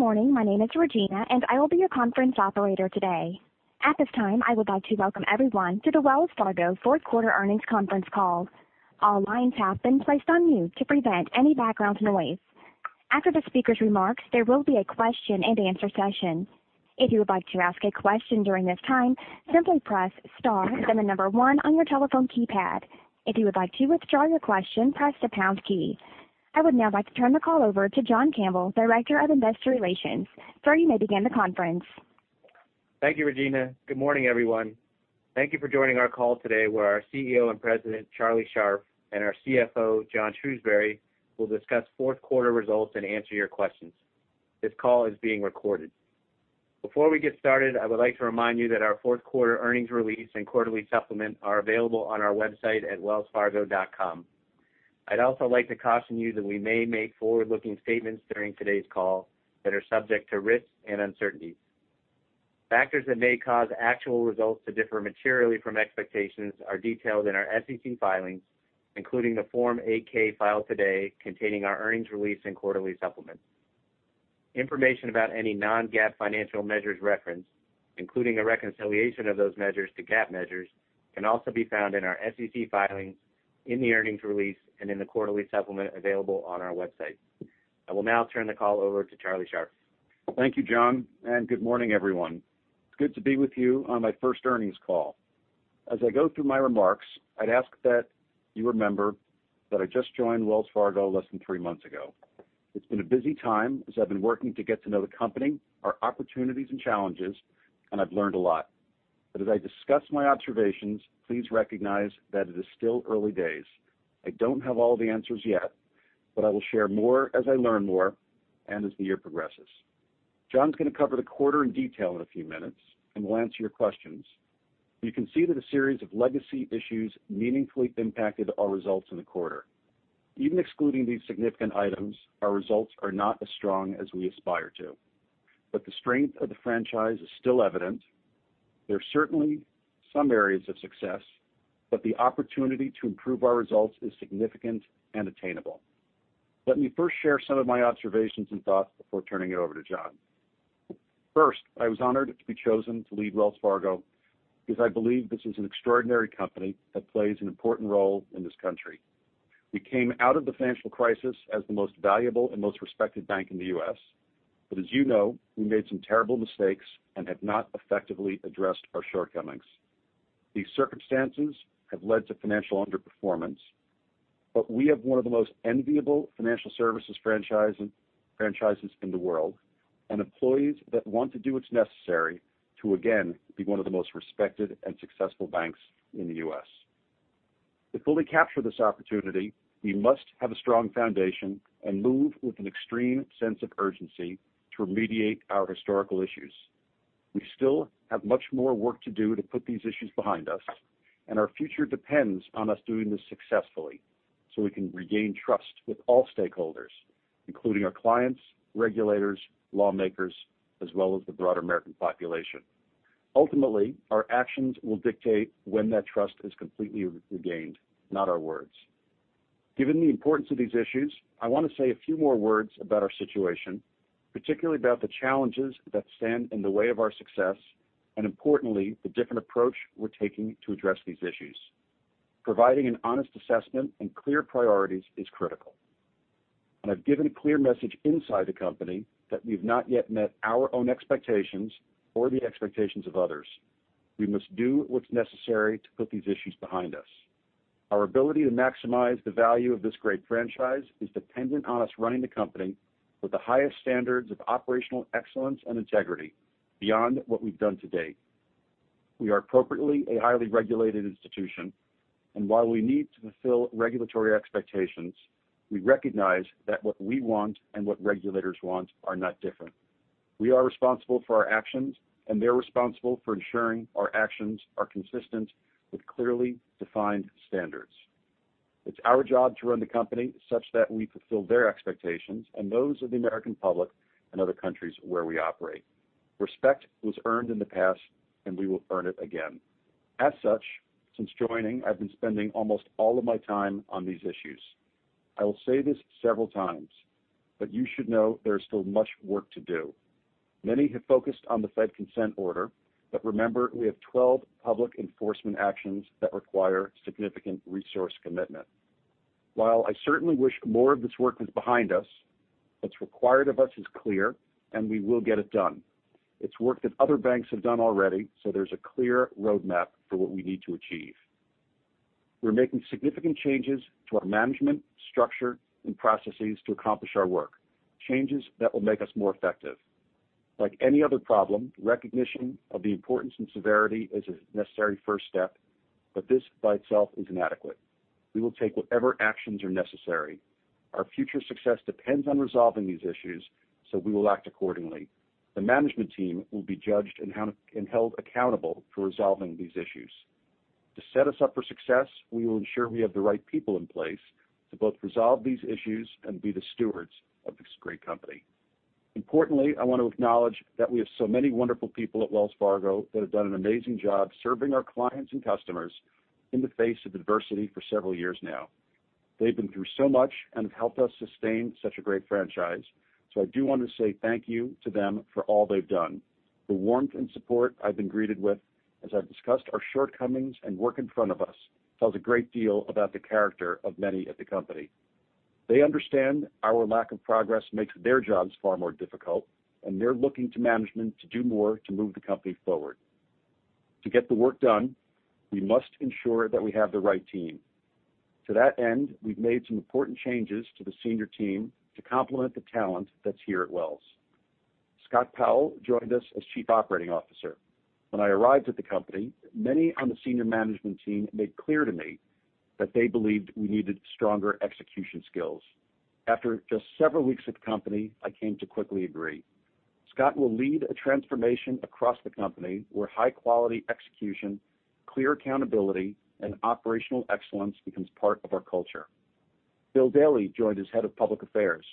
Good morning. My name is Regina, and I will be your conference operator today. At this time, I would like to welcome everyone to the Wells Fargo fourth quarter earnings conference call. All lines have been placed on mute to prevent any background noise. After the speaker's remarks, there will be a question-and-answer session. If you would like to ask a question during this time, simply press star, then the number one on your telephone keypad. If you would like to withdraw your question, press the pound key. I would now like to turn the call over to John Campbell, Director of Investor Relations. Sir, you may begin the conference. Thank you, Regina. Good morning, everyone. Thank you for joining our call today, where our CEO and President, Charlie Scharf, and our CFO, John Shrewsberry, will discuss fourth quarter results and answer your questions. This call is being recorded. Before we get started, I would like to remind you that our fourth quarter earnings release and quarterly supplement are available on our website at wellsfargo.com. I'd also like to caution you that we may make forward-looking statements during today's call that are subject to risks and uncertainties. Factors that may cause actual results to differ materially from expectations are detailed in our SEC filings, including the Form 8-K filed today containing our earnings release and quarterly supplement. Information about any non-GAAP financial measures referenced, including a reconciliation of those measures to GAAP measures, can also be found in our SEC filings, in the earnings release, and in the quarterly supplement available on our website. I will now turn the call over to Charlie Scharf. Thank you, John, good morning, everyone. It's good to be with you on my first earnings call. As I go through my remarks, I'd ask that you remember that I just joined Wells Fargo less than three months ago. It's been a busy time as I've been working to get to know the company, our opportunities and challenges, I've learned a lot. As I discuss my observations, please recognize that it is still early days. I don't have all the answers yet, I will share more as I learn more as the year progresses. John's going to cover the quarter in detail in a few minutes, We'll answer your questions. You can see that a series of legacy issues meaningfully impacted our results in the quarter. Even excluding these significant items, our results are not as strong as we aspire to. The strength of the franchise is still evident. There's certainly some areas of success, but the opportunity to improve our results is significant and attainable. Let me first share some of my observations and thoughts before turning it over to John. First, I was honored to be chosen to lead Wells Fargo because I believe this is an extraordinary company that plays an important role in this country. We came out of the financial crisis as the most valuable and most respected bank in the U.S. As you know, we made some terrible mistakes and have not effectively addressed our shortcomings. These circumstances have led to financial underperformance, but we have one of the most enviable financial services franchises in the world, and employees that want to do what's necessary to again be one of the most respected and successful banks in the U.S. To fully capture this opportunity, we must have a strong foundation and move with an extreme sense of urgency to remediate our historical issues. We still have much more work to do to put these issues behind us, and our future depends on us doing this successfully so we can regain trust with all stakeholders, including our clients, regulators, lawmakers, as well as the broader American population. Ultimately, our actions will dictate when that trust is completely regained, not our words. Given the importance of these issues, I want to say a few more words about our situation, particularly about the challenges that stand in the way of our success, and importantly, the different approach we're taking to address these issues. Providing an honest assessment and clear priorities is critical. I've given a clear message inside the company that we've not yet met our own expectations or the expectations of others. We must do what's necessary to put these issues behind us. Our ability to maximize the value of this great franchise is dependent on us running the company with the highest standards of operational excellence and integrity beyond what we've done to date. We are appropriately a highly regulated institution. While we need to fulfill regulatory expectations, we recognize that what we want and what regulators want are not different. We are responsible for our actions, and they're responsible for ensuring our actions are consistent with clearly defined standards. It's our job to run the company such that we fulfill their expectations and those of the American public and other countries where we operate. Respect was earned in the past. We will earn it again. As such, since joining, I've been spending almost all of my time on these issues. I will say this several times, but you should know there is still much work to do. Many have focused on the Fed consent order, but remember, we have 12 public enforcement actions that require significant resource commitment. While I certainly wish more of this work was behind us, what's required of us is clear, and we will get it done. It's work that other banks have done already, so there's a clear roadmap for what we need to achieve. We're making significant changes to our management, structure, and processes to accomplish our work, changes that will make us more effective. Like any other problem, recognition of the importance and severity is a necessary first step, but this by itself is inadequate. We will take whatever actions are necessary. Our future success depends on resolving these issues, so we will act accordingly. The management team will be judged and held accountable for resolving these issues. To set us up for success, we will ensure we have the right people in place to both resolve these issues and be the stewards of this great company. Importantly, I want to acknowledge that we have so many wonderful people at Wells Fargo that have done an amazing job serving our clients and customers in the face of adversity for several years now. They've been through so much and have helped us sustain such a great franchise. I do want to say thank you to them for all they've done. The warmth and support I've been greeted with as I've discussed our shortcomings and work in front of us tells a great deal about the character of many at the company. They understand our lack of progress makes their jobs far more difficult, and they're looking to management to do more to move the company forward. To get the work done, we must ensure that we have the right team. To that end, we've made some important changes to the senior team to complement the talent that's here at Wells. Scott Powell joined us as Chief Operating Officer. When I arrived at the company, many on the senior management team made clear to me that they believed we needed stronger execution skills. After just several weeks at the company, I came to quickly agree. Scott will lead a transformation across the company where high-quality execution, clear accountability, and operational excellence become part of our culture. Bill Daley joined as Head of Public Affairs.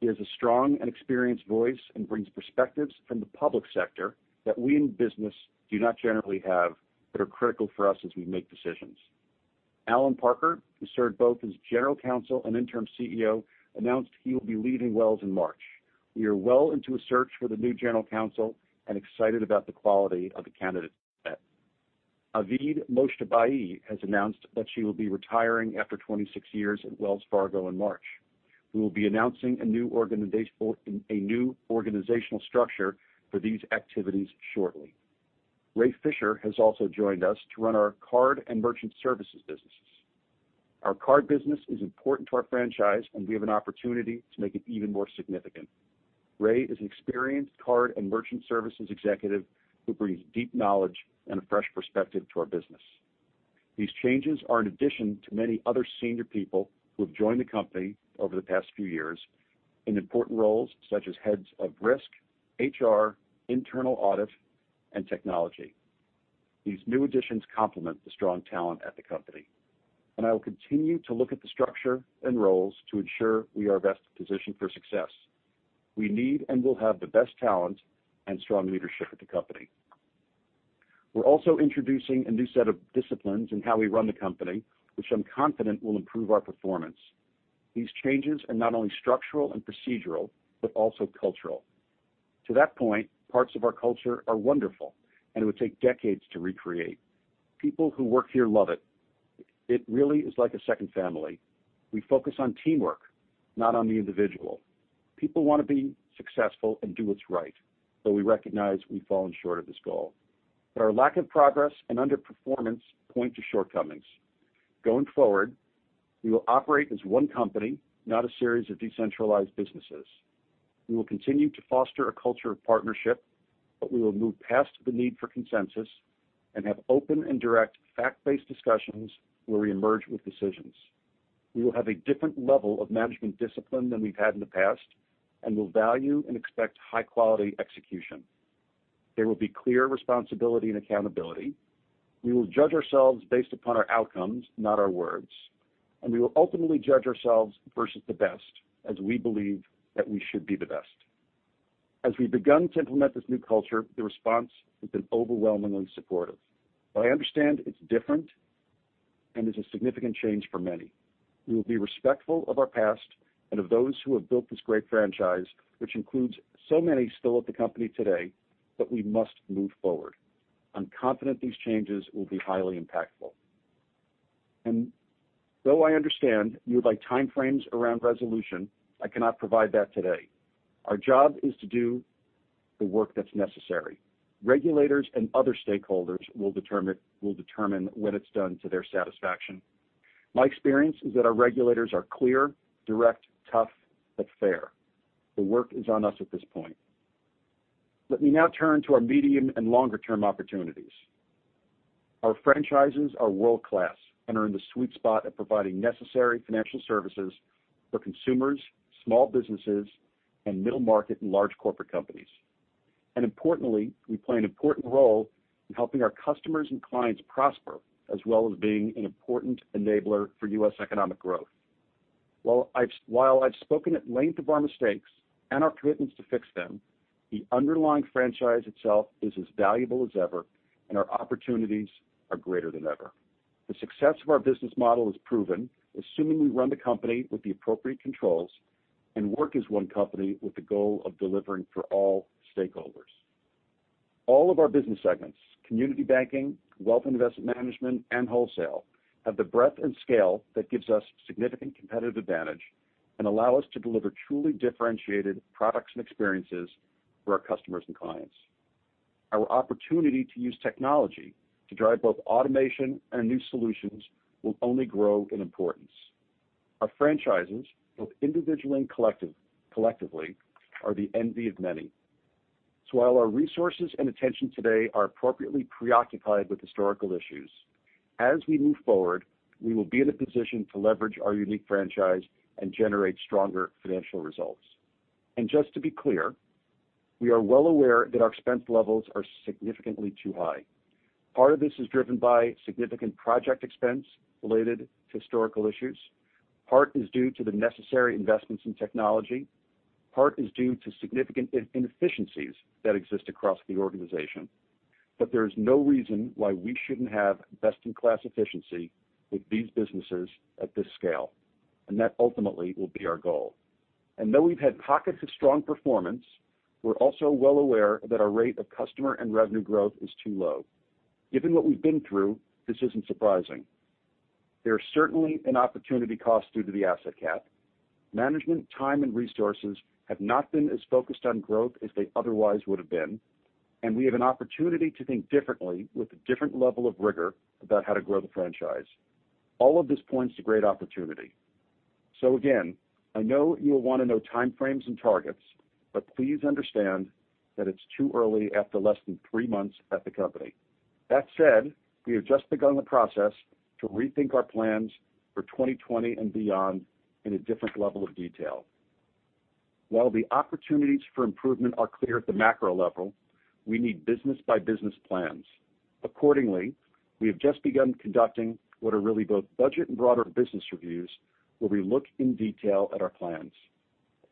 He is a strong and experienced voice and brings perspectives from the public sector that we in business do not generally have, that are critical for us as we make decisions. Allen Parker, who served both as general counsel and Interim CEO, announced he will be leaving Wells in March. We are well into a search for the new general counsel and excited about the quality of the candidate set. Avid Modjtabai has announced that she will be retiring after 26 years at Wells Fargo in March. We will be announcing a new organizational structure for these activities shortly. Ray Fischer has also joined us to run our card and merchant services businesses. Our card business is important to our franchise, and we have an opportunity to make it even more significant. Ray is an experienced card and merchant services executive who brings deep knowledge and a fresh perspective to our business. These changes are in addition to many other senior people who have joined the company over the past few years in important roles such as heads of risk, HR, internal audit, and technology. These new additions complement the strong talent at the company, and I will continue to look at the structure and roles to ensure we are best positioned for success. We need and will have the best talent and strong leadership at the company. We're also introducing a new set of disciplines in how we run the company, which I'm confident will improve our performance. These changes are not only structural and procedural, but also cultural. To that point, parts of our culture are wonderful and it would take decades to recreate. People who work here love it. It really is like a second family. We focus on teamwork, not on the individual. People want to be successful and do what's right, though we recognize we've fallen short of this goal. Our lack of progress and underperformance point to shortcomings. Going forward, we will operate as one company, not a series of decentralized businesses. We will continue to foster a culture of partnership, we will move past the need for consensus and have open and direct fact-based discussions where we emerge with decisions. We will have a different level of management discipline than we've had in the past and will value and expect high-quality execution. There will be clear responsibility and accountability. We will judge ourselves based upon our outcomes, not our words, and we will openly judge ourselves versus the best, as we believe that we should be the best. As we've begun to implement this new culture, the response has been overwhelmingly supportive. I understand it's different and is a significant change for many. We will be respectful of our past and of those who have built this great franchise, which includes so many still at the company today, but we must move forward. I'm confident these changes will be highly impactful. Though I understand you would like time frames around resolution, I cannot provide that today. Our job is to do the work that's necessary. Regulators and other stakeholders will determine when it's done to their satisfaction. My experience is that our regulators are clear, direct, tough, but fair. The work is on us at this point. Let me now turn to our medium and longer-term opportunities. Our franchises are world-class and are in the sweet spot of providing necessary financial services for consumers, small businesses, and middle market and large corporate companies. Importantly, we play an important role in helping our customers and clients prosper, as well as being an important enabler for U.S. economic growth. While I've spoken at length of our mistakes and our commitments to fix them, the underlying franchise itself is as valuable as ever, and our opportunities are greater than ever. The success of our business model is proven, assuming we run the company with the appropriate controls and work as one company with the goal of delivering for all stakeholders. All of our business segments, Community Banking, Wealth and Investment Management, and Wholesale, have the breadth and scale that gives us significant competitive advantage and allow us to deliver truly differentiated products and experiences for our customers and clients. Our opportunity to use technology to drive both automation and new solutions will only grow in importance. Our franchises, both individually and collectively, are the envy of many. While our resources and attention today are appropriately preoccupied with historical issues, as we move forward, we will be in a position to leverage our unique franchise and generate stronger financial results. Just to be clear. We are well aware that our expense levels are significantly too high. Part of this is driven by significant project expense related to historical issues. Part is due to the necessary investments in technology. Part is due to significant inefficiencies that exist across the organization. There is no reason why we shouldn't have best-in-class efficiency with these businesses at this scale, and that ultimately will be our goal. Though we've had pockets of strong performance, we're also well aware that our rate of customer and revenue growth is too low. Given what we've been through, this isn't surprising. There are certainly an opportunity cost due to the asset cap. Management time and resources have not been as focused on growth as they otherwise would've been, and we have an opportunity to think differently with a different level of rigor about how to grow the franchise. All of this points to great opportunity. Again, I know you'll want to know time frames and targets, but please understand that it's too early after less than three months at the company. That said, we have just begun the process to rethink our plans for 2020 and beyond in a different level of detail. While the opportunities for improvement are clear at the macro level, we need business-by-business plans. Accordingly, we have just begun conducting what are really both budget and broader business reviews where we look in detail at our plans.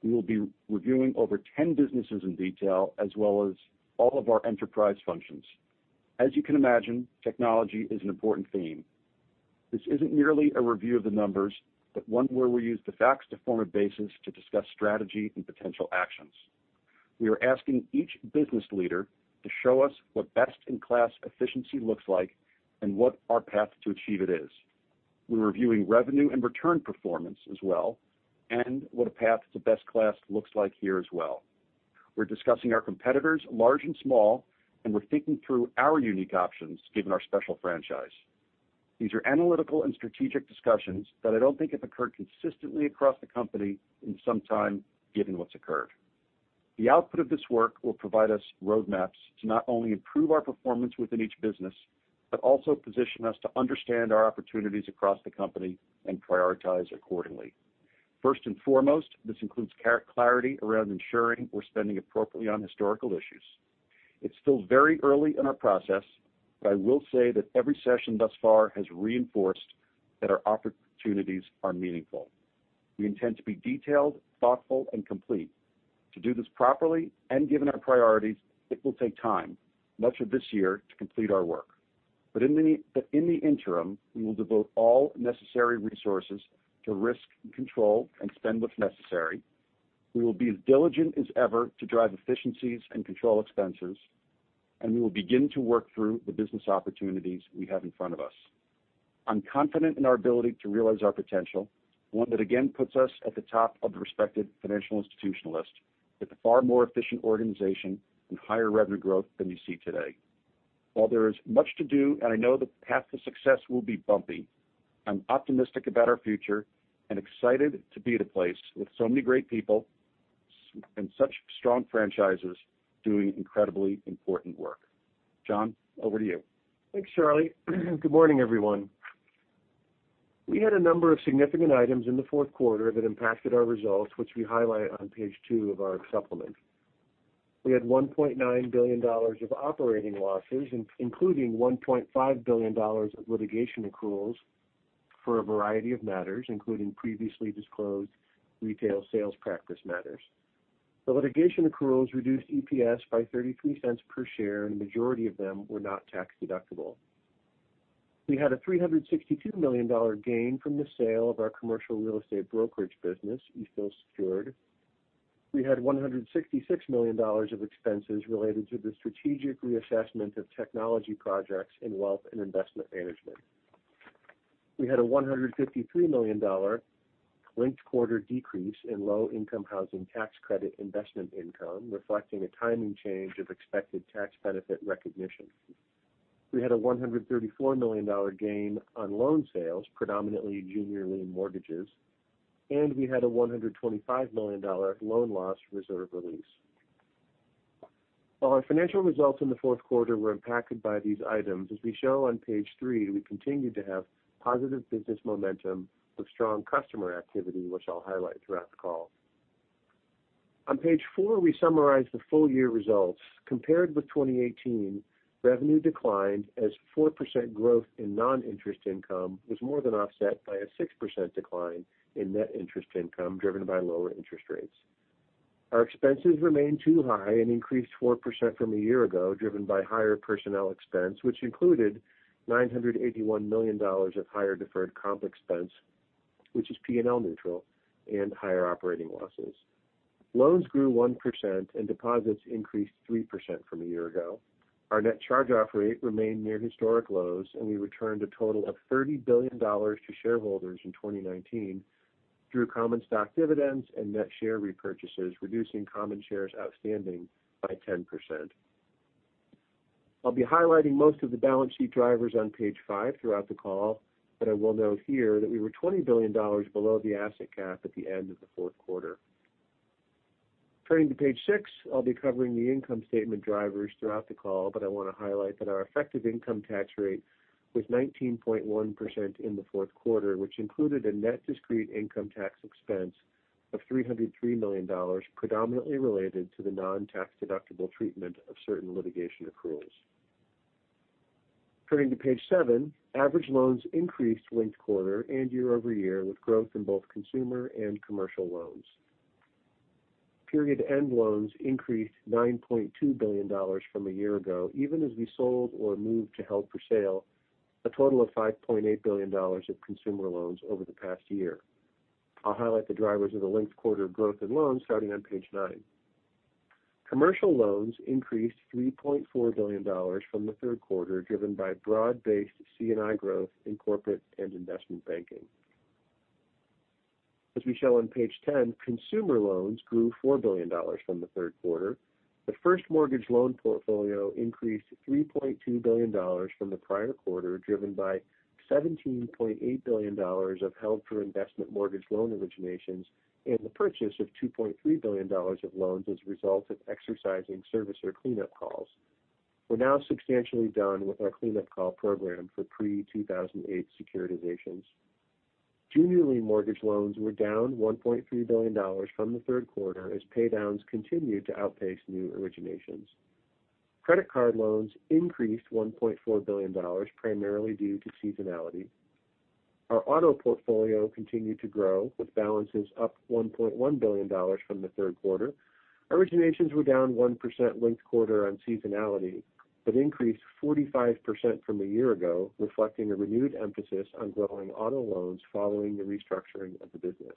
We will be reviewing over 10 businesses in detail, as well as all of our enterprise functions. As you can imagine, technology is an important theme. This isn't merely a review of the numbers, but one where we use the facts to form a basis to discuss strategy and potential actions. We are asking each business leader to show us what best-in-class efficiency looks like and what our path to achieve it is. We're reviewing revenue and return performance as well, and what a path to best-class looks like here as well. We're discussing our competitors, large and small, and we're thinking through our unique options given our special franchise. These are analytical and strategic discussions that I don't think have occurred consistently across the company in some time, given what's occurred. The output of this work will provide us roadmaps to not only improve our performance within each business, but also position us to understand our opportunities across the company and prioritize accordingly. First and foremost, this includes clarity around ensuring we're spending appropriately on historical issues. It's still very early in our process, but I will say that every session thus far has reinforced that our opportunities are meaningful. We intend to be detailed, thoughtful, and complete. To do this properly, and given our priorities, it will take time, much of this year, to complete our work. In the interim, we will devote all necessary resources to risk and control and spend what's necessary. We will be as diligent as ever to drive efficiencies and control expenses, and we will begin to work through the business opportunities we have in front of us. I'm confident in our ability to realize our potential, one that again puts us at the top of the respected financial institutional list with a far more efficient organization and higher revenue growth than you see today. While there is much to do, and I know the path to success will be bumpy, I'm optimistic about our future and excited to be at a place with so many great people and such strong franchises doing incredibly important work. John, over to you. Thanks, Charlie. Good morning, everyone. We had a number of significant items in the fourth quarter that impacted our results, which we highlight on page two of our supplement. We had $1.9 billion of operating losses, including $1.5 billion of litigation accruals for a variety of matters, including previously disclosed retail sales practice matters. The litigation accruals reduced EPS by $0.33 per share. The majority of them were not tax-deductible. We had a $362 million gain from the sale of our commercial real estate brokerage business, Eastdil Secured. We had $166 million of expenses related to the strategic reassessment of technology projects in Wealth and Investment Management. We had a $153 million linked-quarter decrease in Low-Income Housing Tax Credit investment income, reflecting a timing change of expected tax benefit recognition. We had a $134 million gain on loan sales, predominantly junior lien mortgages, and we had a $125 million loan loss reserve release. While our financial results in the fourth quarter were impacted by these items, as we show on page three, we continued to have positive business momentum with strong customer activity, which I'll highlight throughout the call. On page four, we summarize the full-year results. Compared with 2018, revenue declined as 4% growth in non-interest income was more than offset by a 6% decline in net interest income, driven by lower interest rates. Our expenses remained too high and increased 4% from a year ago, driven by higher personnel expense, which included $981 million of higher deferred comp expense, which is P&L neutral, and higher operating losses. Loans grew 1% and deposits increased 3% from a year ago. Our net charge-off rate remained near historic lows. We returned a total of $30 billion to shareholders in 2019 through common stock dividends and net share repurchases, reducing common shares outstanding by 10%. I'll be highlighting most of the balance sheet drivers on page five throughout the call. I will note here that we were $20 billion below the asset cap at the end of the fourth quarter. Turning to page six, I'll be covering the income statement drivers throughout the call. I want to highlight that our effective income tax rate was 19.1% in the fourth quarter, which included a net discrete income tax expense of $303 million, predominantly related to the non-tax-deductible treatment of certain litigation accruals. Turning to page seven, average loans increased linked-quarter and year-over-year with growth in both consumer and commercial loans. Period end loans increased $9.2 billion from a year ago, even as we sold or moved to held for sale a total of $5.8 billion of consumer loans over the past year. I'll highlight the drivers of the linked quarter growth in loans starting on page nine. Commercial loans increased $3.4 billion from the third quarter, driven by broad-based C&I growth in corporate and investment banking. As we show on page 10, consumer loans grew $4 billion from the third quarter. The first mortgage loan portfolio increased $3.2 billion from the prior quarter, driven by $17.8 billion of held for investment mortgage loan originations and the purchase of $2.3 billion of loans as a result of exercising servicer cleanup calls. We're now substantially done with our cleanup call program for pre-2008 securitizations. Junior lien mortgage loans were down $1.3 billion from the third quarter as paydowns continued to outpace new originations. Credit card loans increased $1.4 billion, primarily due to seasonality. Our auto portfolio continued to grow with balances up $1.1 billion from the third quarter. Originations were down 1% linked quarter on seasonality, but increased 45% from a year ago, reflecting a renewed emphasis on growing auto loans following the restructuring of the business.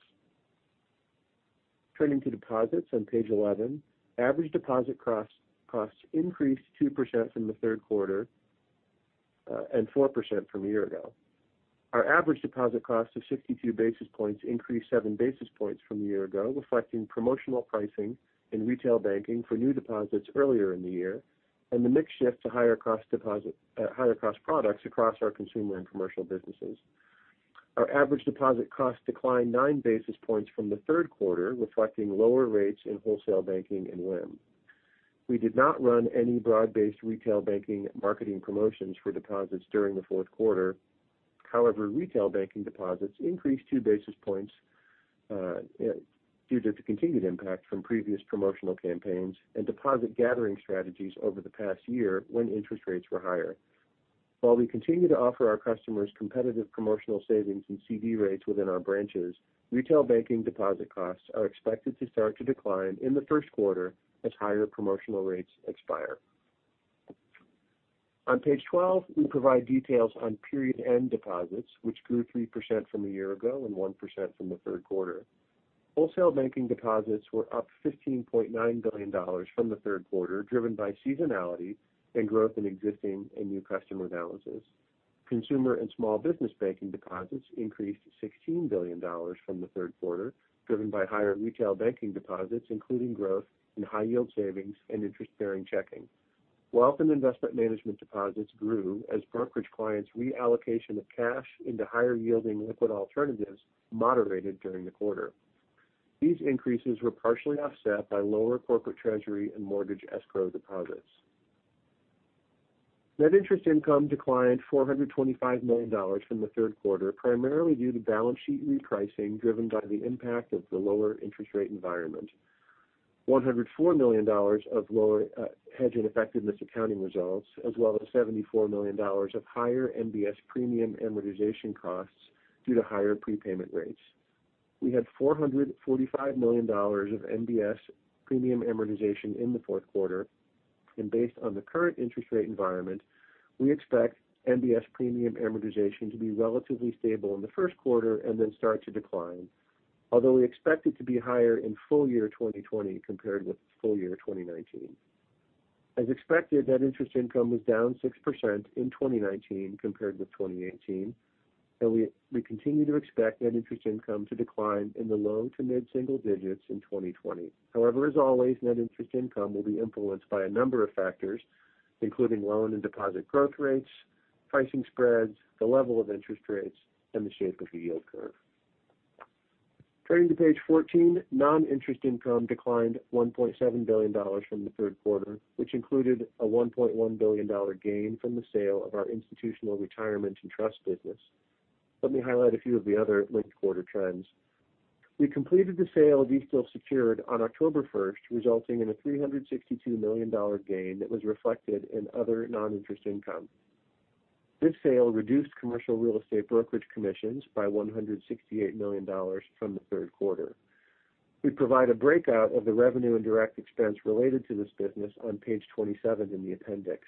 Turning to deposits on page 11, average deposit costs increased 2% from the third quarter, and 4% from a year ago. Our average deposit cost of 62 basis points increased seven basis points from a year ago, reflecting promotional pricing in retail banking for new deposits earlier in the year, and the mix shift to higher-cost products across our consumer and commercial businesses. Our average deposit cost declined nine basis points from the third quarter, reflecting lower rates in Wholesale Banking and WIM. We did not run any broad-based Retail Banking marketing promotions for deposits during the fourth quarter. Retail Banking deposits increased two basis points due to the continued impact from previous promotional campaigns and deposit gathering strategies over the past year when interest rates were higher. While we continue to offer our customers competitive promotional savings and CD rates within our branches, Retail Banking deposit costs are expected to start to decline in the first quarter as higher promotional rates expire. On page 12, we provide details on period-end deposits, which grew 3% from a year ago and 1% from the third quarter. Wholesale Banking deposits were up $15.9 billion from the third quarter, driven by seasonality and growth in existing and new customer balances. Consumer and small business banking deposits increased $16 billion from the third quarter, driven by higher retail banking deposits, including growth in high-yield savings and interest-bearing checking. Wealth and investment management deposits grew as brokerage clients' reallocation of cash into higher-yielding liquid alternatives moderated during the quarter. These increases were partially offset by lower corporate treasury and mortgage escrow deposits. Net interest income declined $425 million from the third quarter, primarily due to balance sheet repricing driven by the impact of the lower interest rate environment, $104 million of lower hedge ineffectiveness accounting results, as well as $74 million of higher MBS premium amortization costs due to higher prepayment rates. We had $445 million of MBS premium amortization in the fourth quarter. Based on the current interest rate environment, we expect MBS premium amortization to be relatively stable in the first quarter and then start to decline, although we expect it to be higher in full-year 2020 compared with full-year 2019. As expected, net interest income was down 6% in 2019 compared with 2018. We continue to expect net interest income to decline in the low to mid-single digits in 2020. However, as always, net interest income will be influenced by a number of factors, including loan and deposit growth rates, pricing spreads, the level of interest rates, and the shape of the yield curve. Turning to page 14, non-interest income declined $1.7 billion from the third quarter, which included a $1.1 billion gain from the sale of our institutional retirement and trust business. Let me highlight a few of the other linked quarter trends. We completed the sale of Eastdil Secured on October 1st, resulting in a $362 million gain that was reflected in other non-interest income. This sale reduced commercial real estate brokerage commissions by $168 million from the third quarter. We provide a breakout of the revenue and direct expense related to this business on page 27 in the appendix.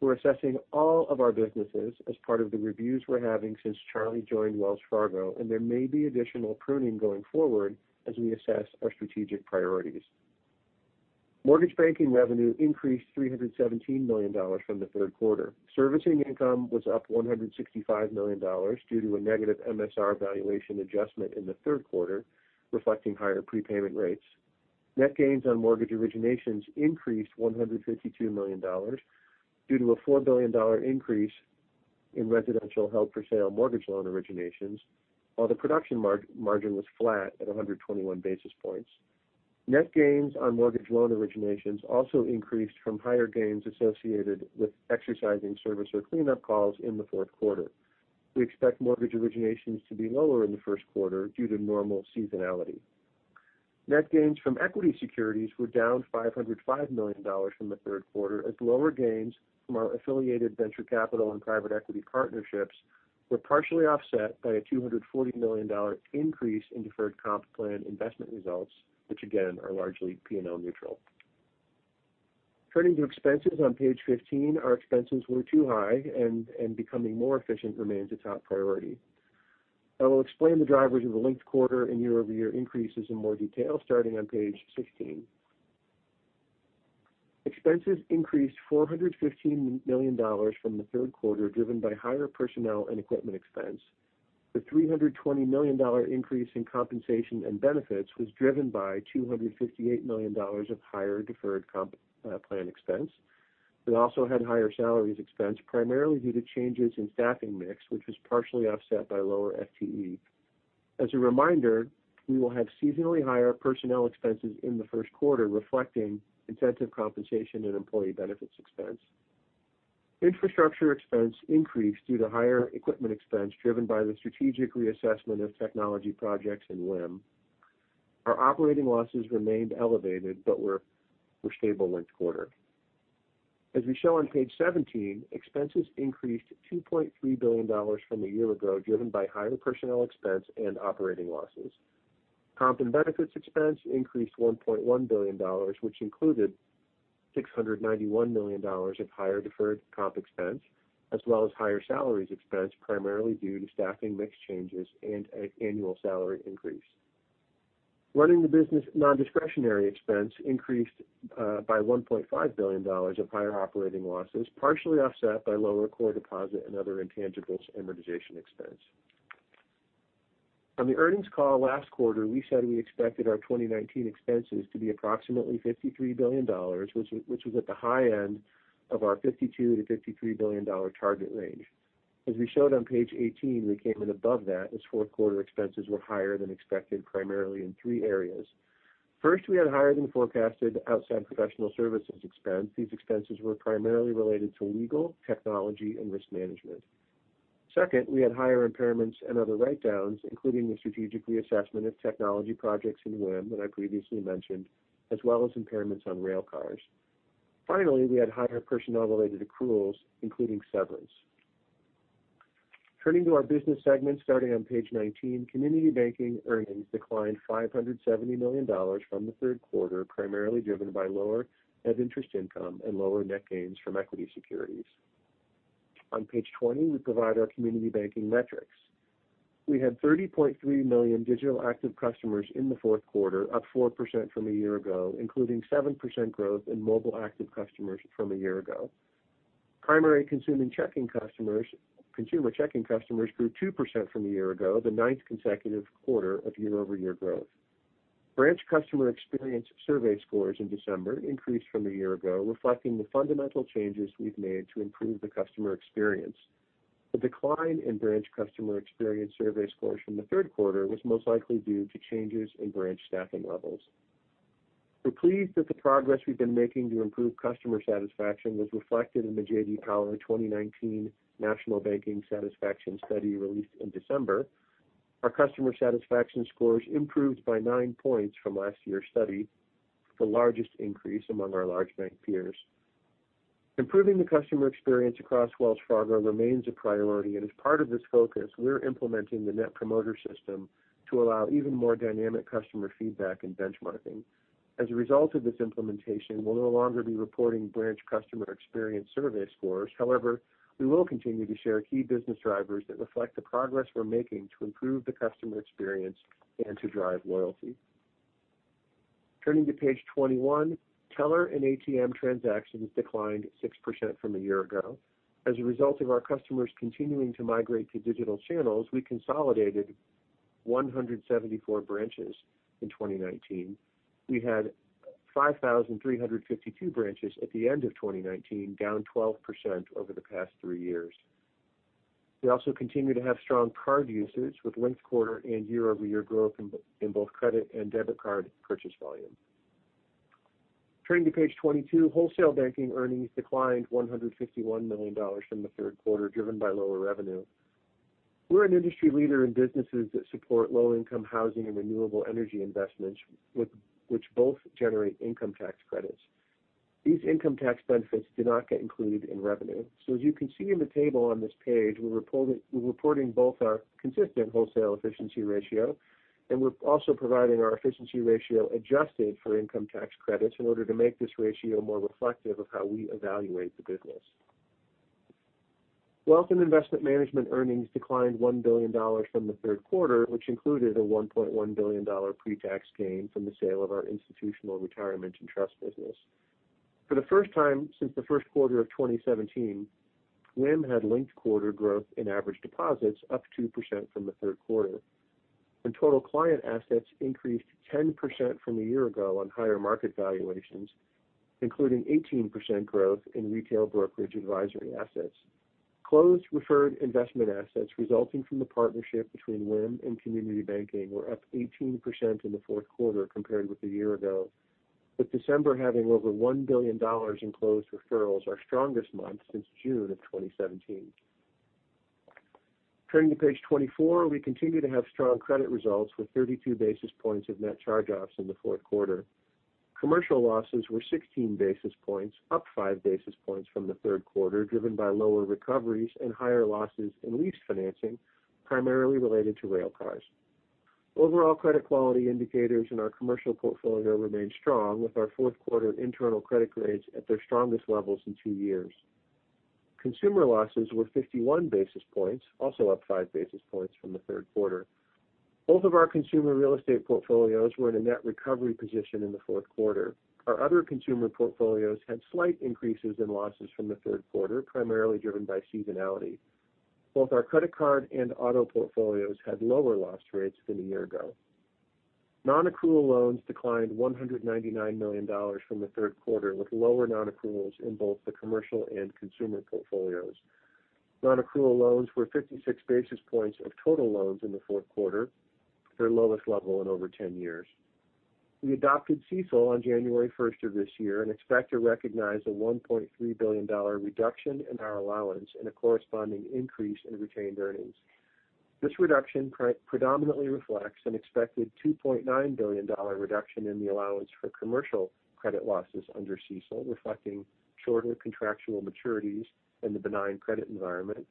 We're assessing all of our businesses as part of the reviews we're having since Charlie joined Wells Fargo, and there may be additional pruning going forward as we assess our strategic priorities. Mortgage banking revenue increased $317 million from the third quarter. Servicing income was up $165 million due to a negative MSR valuation adjustment in the third quarter, reflecting higher prepayment rates. Net gains on mortgage originations increased $152 million due to a $4 billion increase in residential held-for-sale mortgage loan originations while the production margin was flat at 121 basis points. Net gains on mortgage loan originations also increased from higher gains associated with exercising servicer cleanup calls in the fourth quarter. We expect mortgage originations to be lower in the first quarter due to normal seasonality. Net gains from equity securities were down $505 million from the third quarter, as lower gains from our affiliated venture capital and private equity partnerships were partially offset by a $240 million increase in deferred comp plan investment results, which again, are largely P&L neutral. Turning to expenses on page 15, our expenses were too high, and becoming more efficient remains a top priority. I will explain the drivers of the linked quarter and year-over-year increases in more detail, starting on page 16. Expenses increased $415 million from the third quarter, driven by higher personnel and equipment expense. The $320 million increase in compensation and benefits was driven by $258 million of higher deferred comp plan expense. We also had higher salaries-expenses, primarily due to changes in staffing mix, which was partially offset by lower FTE. As a reminder, we will have seasonally higher personnel expenses in the first quarter, reflecting incentive compensation and employee benefits expense. Infrastructure expense increased due to higher equipment expense, driven by the strategic reassessment of technology projects in WIM. Our operating losses remained elevated but were stable linked quarter. As we show on page 17, expenses increased $2.3 billion from a year ago, driven by higher personnel expense and operating losses. Comp and benefits expense increased $1.1 billion, which included $691 million of higher deferred comp expense, as well as higher salaries expense, primarily due to staffing mix changes and an annual salary increase. Running the business non-discretionary expense increased by $1.5 billion of higher operating losses, partially offset by lower core deposit and other intangibles amortization expense. On the earnings call last quarter, we said we expected our 2019 expenses to be approximately $53 billion, which was at the high end of our $52 billion-$53 billion target range. As we showed on page 18, we came in above that as fourth quarter expenses were higher than expected, primarily in three areas. First, we had higher-than-forecasted outside professional services expense. These expenses were primarily related to legal, technology, and risk management. Second, we had higher impairments and other write-downs, including the strategic reassessment of technology projects in WIM that I previously mentioned, as well as impairments on rail cars. Finally, we had higher personnel-related accruals, including severance. Turning to our business segment, starting on page 19, Community Banking earnings declined $570 million from the third quarter, primarily driven by lower net interest income and lower net gains from equity securities. On page 20, we provide our Community Banking metrics. We had 30.3 million digital active customers in the fourth quarter, up 4% from a year ago, including 7% growth in mobile active customers from a year ago. Primary consumer checking customers grew 2% from a year ago, the ninth consecutive quarter of year-over-year growth. Branch customer experience survey scores in December increased from a year ago, reflecting the fundamental changes we've made to improve the customer experience. The decline in branch customer experience survey scores from the third quarter was most likely due to changes in branch staffing levels. We're pleased that the progress we've been making to improve customer satisfaction was reflected in the J.D. Power 2019 National Banking Satisfaction Study released in December. Our customer satisfaction scores improved by nine points from last year's study, the largest increase among our large bank peers. Improving the customer experience across Wells Fargo remains a priority, and as part of this focus, we're implementing the Net Promoter System to allow even more dynamic customer feedback and benchmarking. As a result of this implementation, we'll no longer be reporting branch customer experience survey scores. However, we will continue to share key business drivers that reflect the progress we're making to improve the customer experience and to drive loyalty. Turning to page 21, teller and ATM transactions declined 6% from a year ago. As a result of our customers continuing to migrate to digital channels, we consolidated 174 branches in 2019. We had 5,352 branches at the end of 2019, down 12% over the past three years. We also continue to have strong card usage with linked quarter and year-over-year growth in both credit and debit card purchase volume. Turning to page 22, wholesale banking earnings declined $151 million from the third quarter, driven by lower revenue. We're an industry leader in businesses that support low-income housing and renewable energy investments, which both generate income tax credits. These income tax benefits do not get included in revenue. As you can see in the table on this page, we're reporting both our consistent wholesale efficiency ratio, and we're also providing our efficiency ratio adjusted for income tax credits in order to make this ratio more reflective of how we evaluate the business. Wealth and Investment Management earnings declined $1 billion from the third quarter, which included a $1.1 billion pre-tax gain from the sale of our institutional retirement and trust business. For the first time since the first quarter of 2017, WIM had linked quarter growth in average deposits, up 2% from the third quarter, and total client assets increased 10% from a year ago on higher market valuations, including 18% growth in retail brokerage advisory assets. Closed referred investment assets resulting from the partnership between WIM and Community Banking were up 18% in the fourth quarter compared with a year ago, with December having over $1 billion in closed referrals, our strongest month since June of 2017. Turning to page 24, we continue to have strong credit results with 32 basis points of net charge-offs in the fourth quarter. Commercial losses were 16 basis points, up five basis points from the third quarter, driven by lower recoveries and higher losses in lease financing, primarily related to railcars. Overall credit quality indicators in our commercial portfolio remain strong, with our fourth quarter internal credit grades at their strongest levels in two years. Consumer losses were 51 basis points, also up five basis points from the third quarter. Both of our consumer real estate portfolios were in a net recovery position in the fourth quarter. Our other consumer portfolios had slight increases in losses from the third quarter, primarily driven by seasonality. Both our credit card and auto portfolios had lower loss rates than a year ago. Non-accrual loans declined $199 million from the third quarter, with lower non-accruals in both the commercial and consumer portfolios. Non-accrual loans were 56 basis points of total loans in the fourth quarter, their lowest level in over 10 years. We adopted CECL on January 1st of this year and expect to recognize a $1.3 billion reduction in our allowance and a corresponding increase in retained earnings. This reduction predominantly reflects an expected $2.9 billion reduction in the allowance for commercial credit losses under CECL, reflecting shorter contractual maturities and the benign credit environment.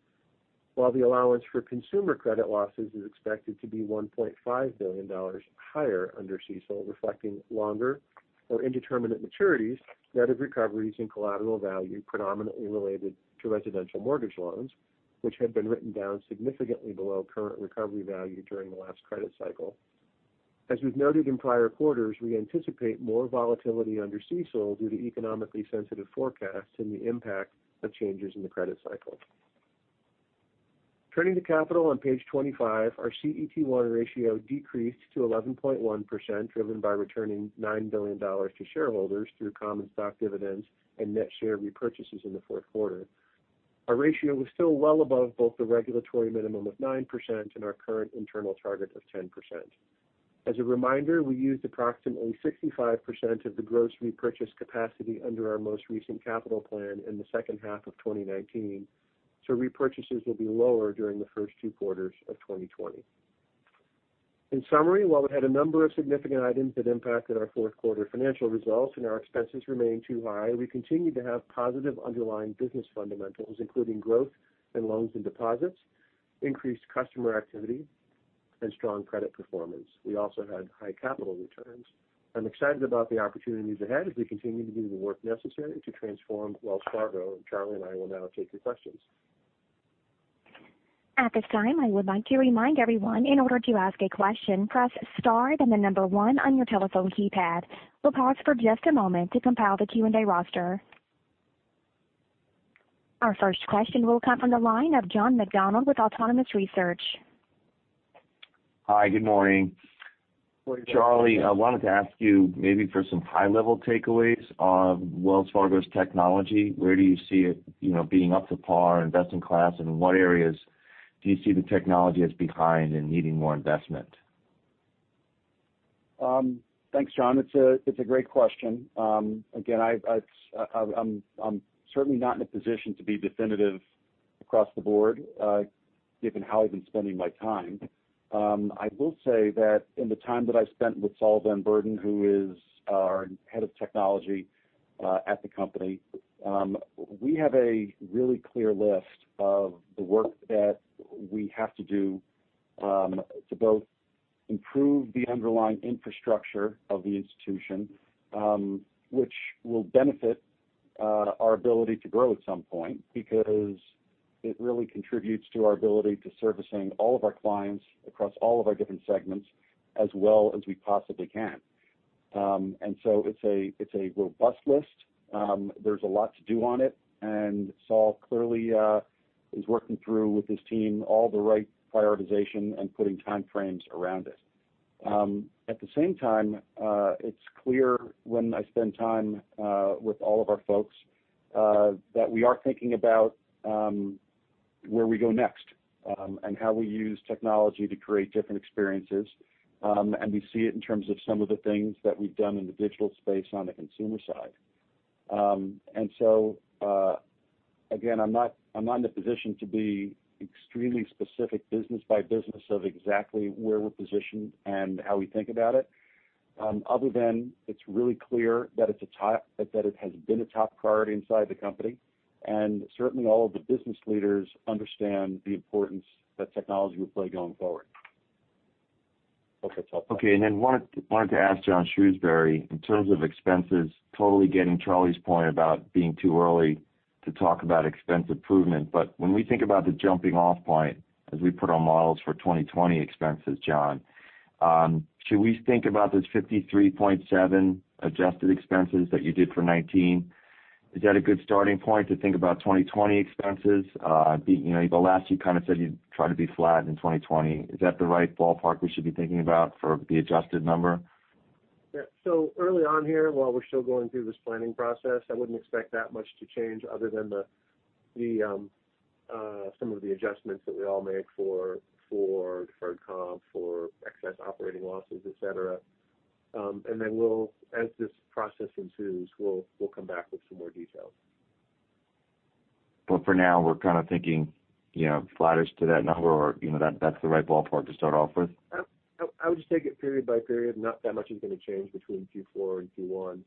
While the allowance for consumer credit losses is expected to be $1.5 billion higher under CECL, reflecting longer or indeterminate maturities, net of recoveries in collateral value predominantly related to residential mortgage loans, which had been written down significantly below current recovery value during the last credit cycle. As we've noted in prior quarters, we anticipate more volatility under CECL due to economically sensitive forecasts and the impact of changes in the credit cycle. Turning to capital on page 25, our CET1 ratio decreased to 11.1%, driven by returning $9 billion to shareholders through common stock dividends and net share repurchases in the fourth quarter. Our ratio was still well above both the regulatory minimum of 9% and our current internal target of 10%. As a reminder, we used approximately 65% of the gross repurchase capacity under our most recent capital plan in the second half of 2019, so repurchases will be lower during the first two quarters of 2020. In summary, while we've had a number of significant items that impacted our fourth quarter financial results and our expenses remain too high, we continue to have positive underlying business fundamentals, including growth in loans and deposits, increased customer activity, and strong credit performance. We also had high capital returns. I'm excited about the opportunities ahead as we continue to do the work necessary to transform Wells Fargo. And Charlie and I will now take your questions. At this time, I would like to remind everyone, in order to ask a question, press star then the number one on your telephone keypad. We'll pause for just a moment to compile the Q&A roster. Our first question will come from the line of John McDonald with Autonomous Research. Hi, good morning. Morning, John. Charlie, I wanted to ask you maybe for some high-level takeaways on Wells Fargo's technology. Where do you see it being up to par and best-in-class, and in what areas do you see the technology as behind and needing more investment? Thanks, John. It's a great question. I'm certainly not in a position to be definitive across the board given how I've been spending my time. I will say that in the time that I've spent with Saul Van Beurden, who is our Head of Technology at the company, we have a really clear list of the work that we have to do to both improve the underlying infrastructure of the institution, which will benefit our ability to grow at some point because it really contributes to our ability to servicing all of our clients across all of our different segments as well as we possibly can. It's a robust list. There's a lot to do on it, and Saul clearly is working through with his team all the right prioritization and putting time frames around it. At the same time, it's clear when I spend time with all of our folks, that we are thinking about where we go next, and how we use technology to create different experiences. We see it in terms of some of the things that we've done in the digital space on the consumer side. Again, I'm not in a position to be extremely specific business by business of exactly where we're positioned and how we think about it other than it's really clear that it has been a top priority inside the company. Certainly, all of the business leaders understand the importance that technology will play going forward. Hope that's helpful. Wanted to ask John Shrewsberry, in terms of expenses, totally getting Charlie's point about being too early to talk about expense improvement, but when we think about the jumping-off point as we put our models for 2020 expenses, John, should we think about those $53.7 billion adjusted expenses that you did for 2019? Is that a good starting point to think about 2020 expenses? The last you kind of said you'd try to be flat in 2020. Is that the right ballpark we should be thinking about for the adjusted number? Early on here, while we're still going through this planning process, I wouldn't expect that much to change other than some of the adjustments that we all made for. Deferred comp for excess operating losses, et cetera. As this process ensues, we'll come back with some more details. For now, we're kind of thinking flat-ish to that number or that's the right ballpark to start off with? I would just take it period by period. Not that much is going to change between Q4 and Q1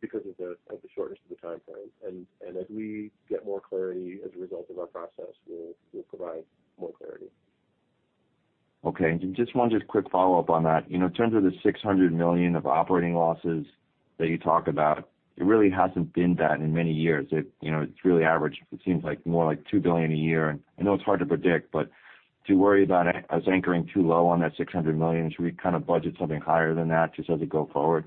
because of the shortness of the timeframe. As we get more clarity as a result of our process, we'll provide more clarity. Okay. Just one just quick follow-up on that. In terms of the $600 million of operating losses that you talk about, it really hasn't been that in many years. It's really averaged, it seems like more like $2 billion a year. I know it's hard to predict, but do you worry about us anchoring too low on that $600 million? Should we kind of budget something higher than that just as we go forward?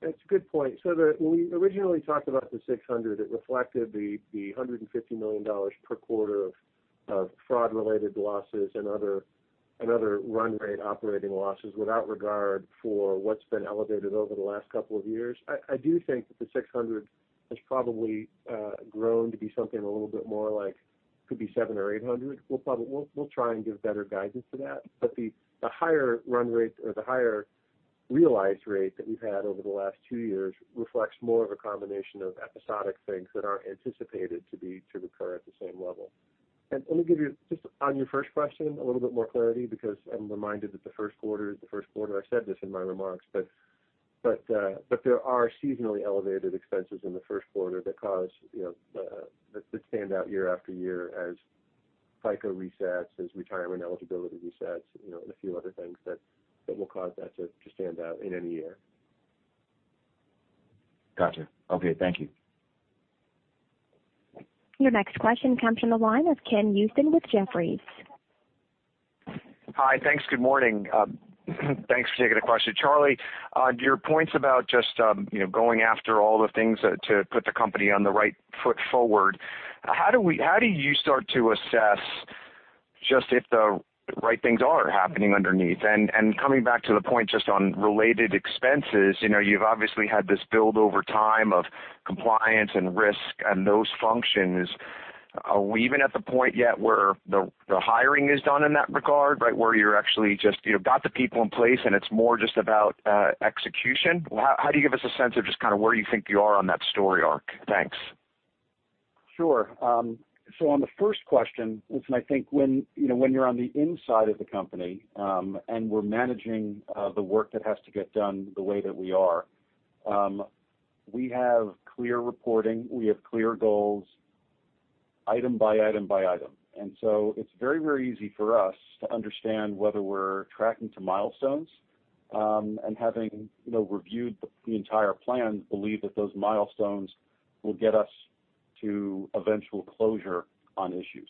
That's a good point. When we originally talked about the $600 million, it reflected the $150 million per quarter of fraud-related losses and other run rate operating losses without regard for what's been elevated over the last couple of years. I do think that the $600 million has probably grown to be something a little bit more like could be $700 million or $800 million. We'll try and give better guidance to that. The higher run rate or the higher realized rate that we've had over the last two years reflects more of a combination of episodic things that aren't anticipated to recur at the same level. Let me give you, just on your first question, a little bit more clarity because I'm reminded that the first quarter is the first quarter. I said this in my remarks, but there are seasonally elevated expenses in the first quarter that stand out year-after-year as FICO resets, as retirement eligibility resets, and a few other things that will cause that to stand out in any year. Gotcha. Okay. Thank you. Your next question comes from the line of Ken Usdin with Jefferies. Hi. Thanks. Good morning. Thanks for taking the question. Charlie, your points about just going after all the things to put the company on the right foot forward, how do you start to assess just if the right things are happening underneath? Coming back to the point just on related expenses, you've obviously had this build over time of compliance and risk and those functions. Are we even at the point yet where the hiring is done in that regard, right, where you're actually just got the people in place, and it's more just about execution? How do you give us a sense of just kind of where you think you are on that story arc? Thanks. Sure. On the first question, listen, I think when you're on the inside of the company, and we're managing the work that has to get done the way that we are, we have clear reporting. We have clear goals item by item by item. It's very, very easy for us to understand whether we're tracking to milestones, and having reviewed the entire plan, believe that those milestones will get us to eventual closure on issues.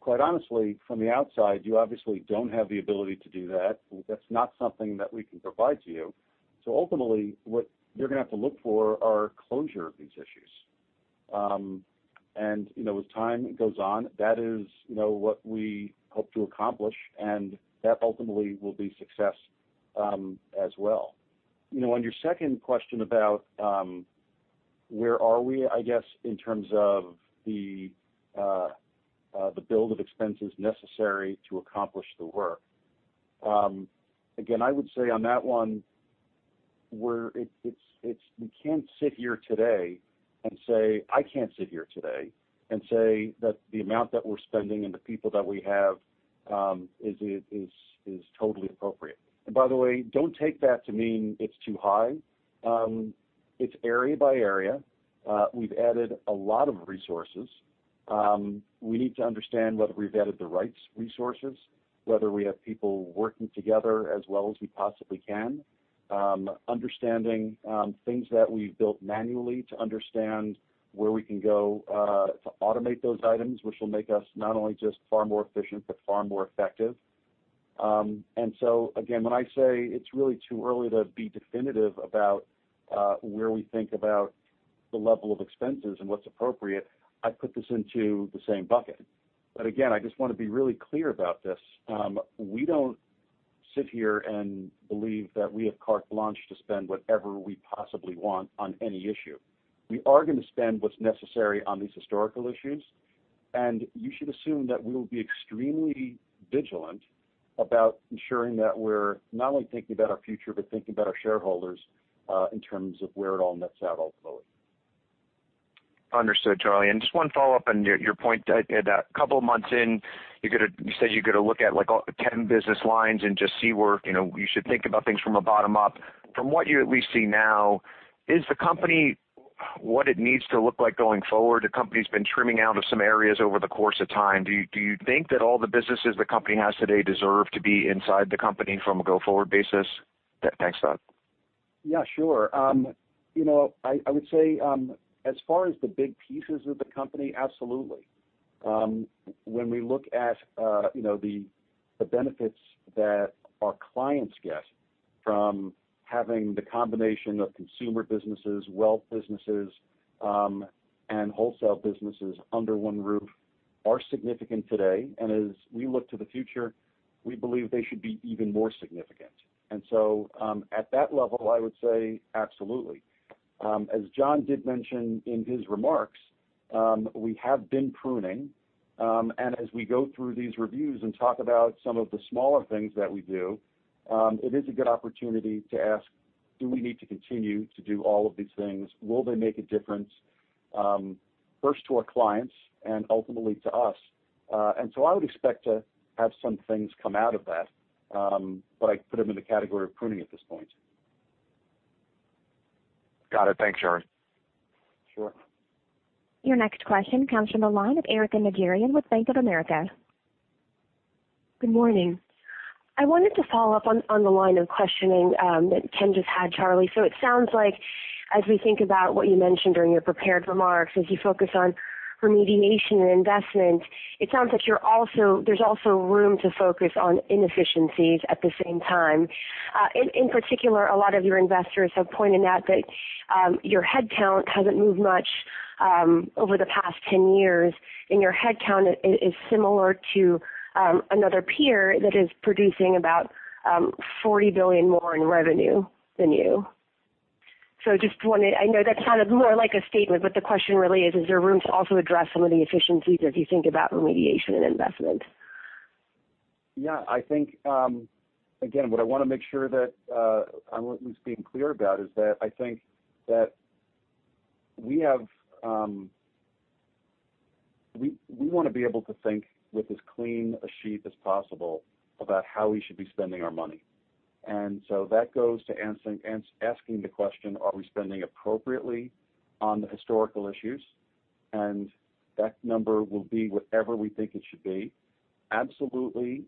Quite honestly, from the outside, you obviously don't have the ability to do that. That's not something that we can provide to you. Ultimately, what you're going to have to look for are closure of these issues. As time goes on, that is what we hope to accomplish, and that ultimately will be success as well. On your second question about where we are, I guess, in terms of the build of expenses necessary to accomplish the work. Again, I would say on that one, I can't sit here today and say that the amount that we're spending and the people that we have is totally appropriate. By the way, don't take that to mean it's too high. It's area by area. We've added a lot of resources. We need to understand whether we've added the right resources, whether we have people working together as well as we possibly can, understanding things that we've built manually to understand where we can go to automate those items, which will make us not only just far more efficient, but far more effective. Again, when I say it's really too early to be definitive about where we think about the level of expenses and what's appropriate, I put this into the same bucket. Again, I just want to be really clear about this. We don't sit here and believe that we have carte blanche to spend whatever we possibly want on any issue. We are going to spend what's necessary on these historical issues, and you should assume that we will be extremely vigilant about ensuring that we're not only thinking about our future but thinking about our shareholders in terms of where it all nets out ultimately. Understood, Charlie. Just one follow-up on your point that a couple of months in, you said you're going to look at 10 business lines and just see where you should think about things from a bottom up. From what you at least see now, is the company what it needs to look like going forward? The company's been trimming out of some areas over the course of time. Do you think that all the businesses the company has today deserve to be inside the company from a go-forward basis? Thanks. Sure. I would say as far as the big pieces of the company, absolutely. When we look at the benefits that our clients get from having the combination of consumer businesses, wealth businesses, and wholesale businesses under one roof are significant today. As we look to the future, we believe they should be even more significant. At that level, I would say absolutely. As John did mention in his remarks, we have been pruning. As we go through these reviews and talk about some of the smaller things that we do, it is a good opportunity to ask: Do we need to continue to do all of these things? Will they make a difference, first to our clients and ultimately to us? I would expect to have some things come out of that, but I'd put them in the category of pruning at this point. Got it. Thanks, Charlie. Sure. Your next question comes from the line of Erika Najarian with Bank of America. Good morning. I wanted to follow up on the line of questioning that Ken just had, Charlie. It sounds like as we think about what you mentioned during your prepared remarks, as you focus on remediation and investment, it sounds like there's also room to focus on inefficiencies at the same time. In particular, a lot of your investors have pointed out that your headcount hasn't moved much over the past 10 years, and your headcount is similar to another peer that is producing about $40 billion more in revenue than you. I know that sounded more like a statement, but the question really is there room to also address some of the efficiencies as you think about remediation and investment? Yeah. Again, what I want to make sure that I'm at least being clear about is that I think that we want to be able to think with as clean a sheet as possible about how we should be spending our money. That goes to asking the question, are we spending appropriately on the historical issues? That number will be whatever we think it should be. Absolutely,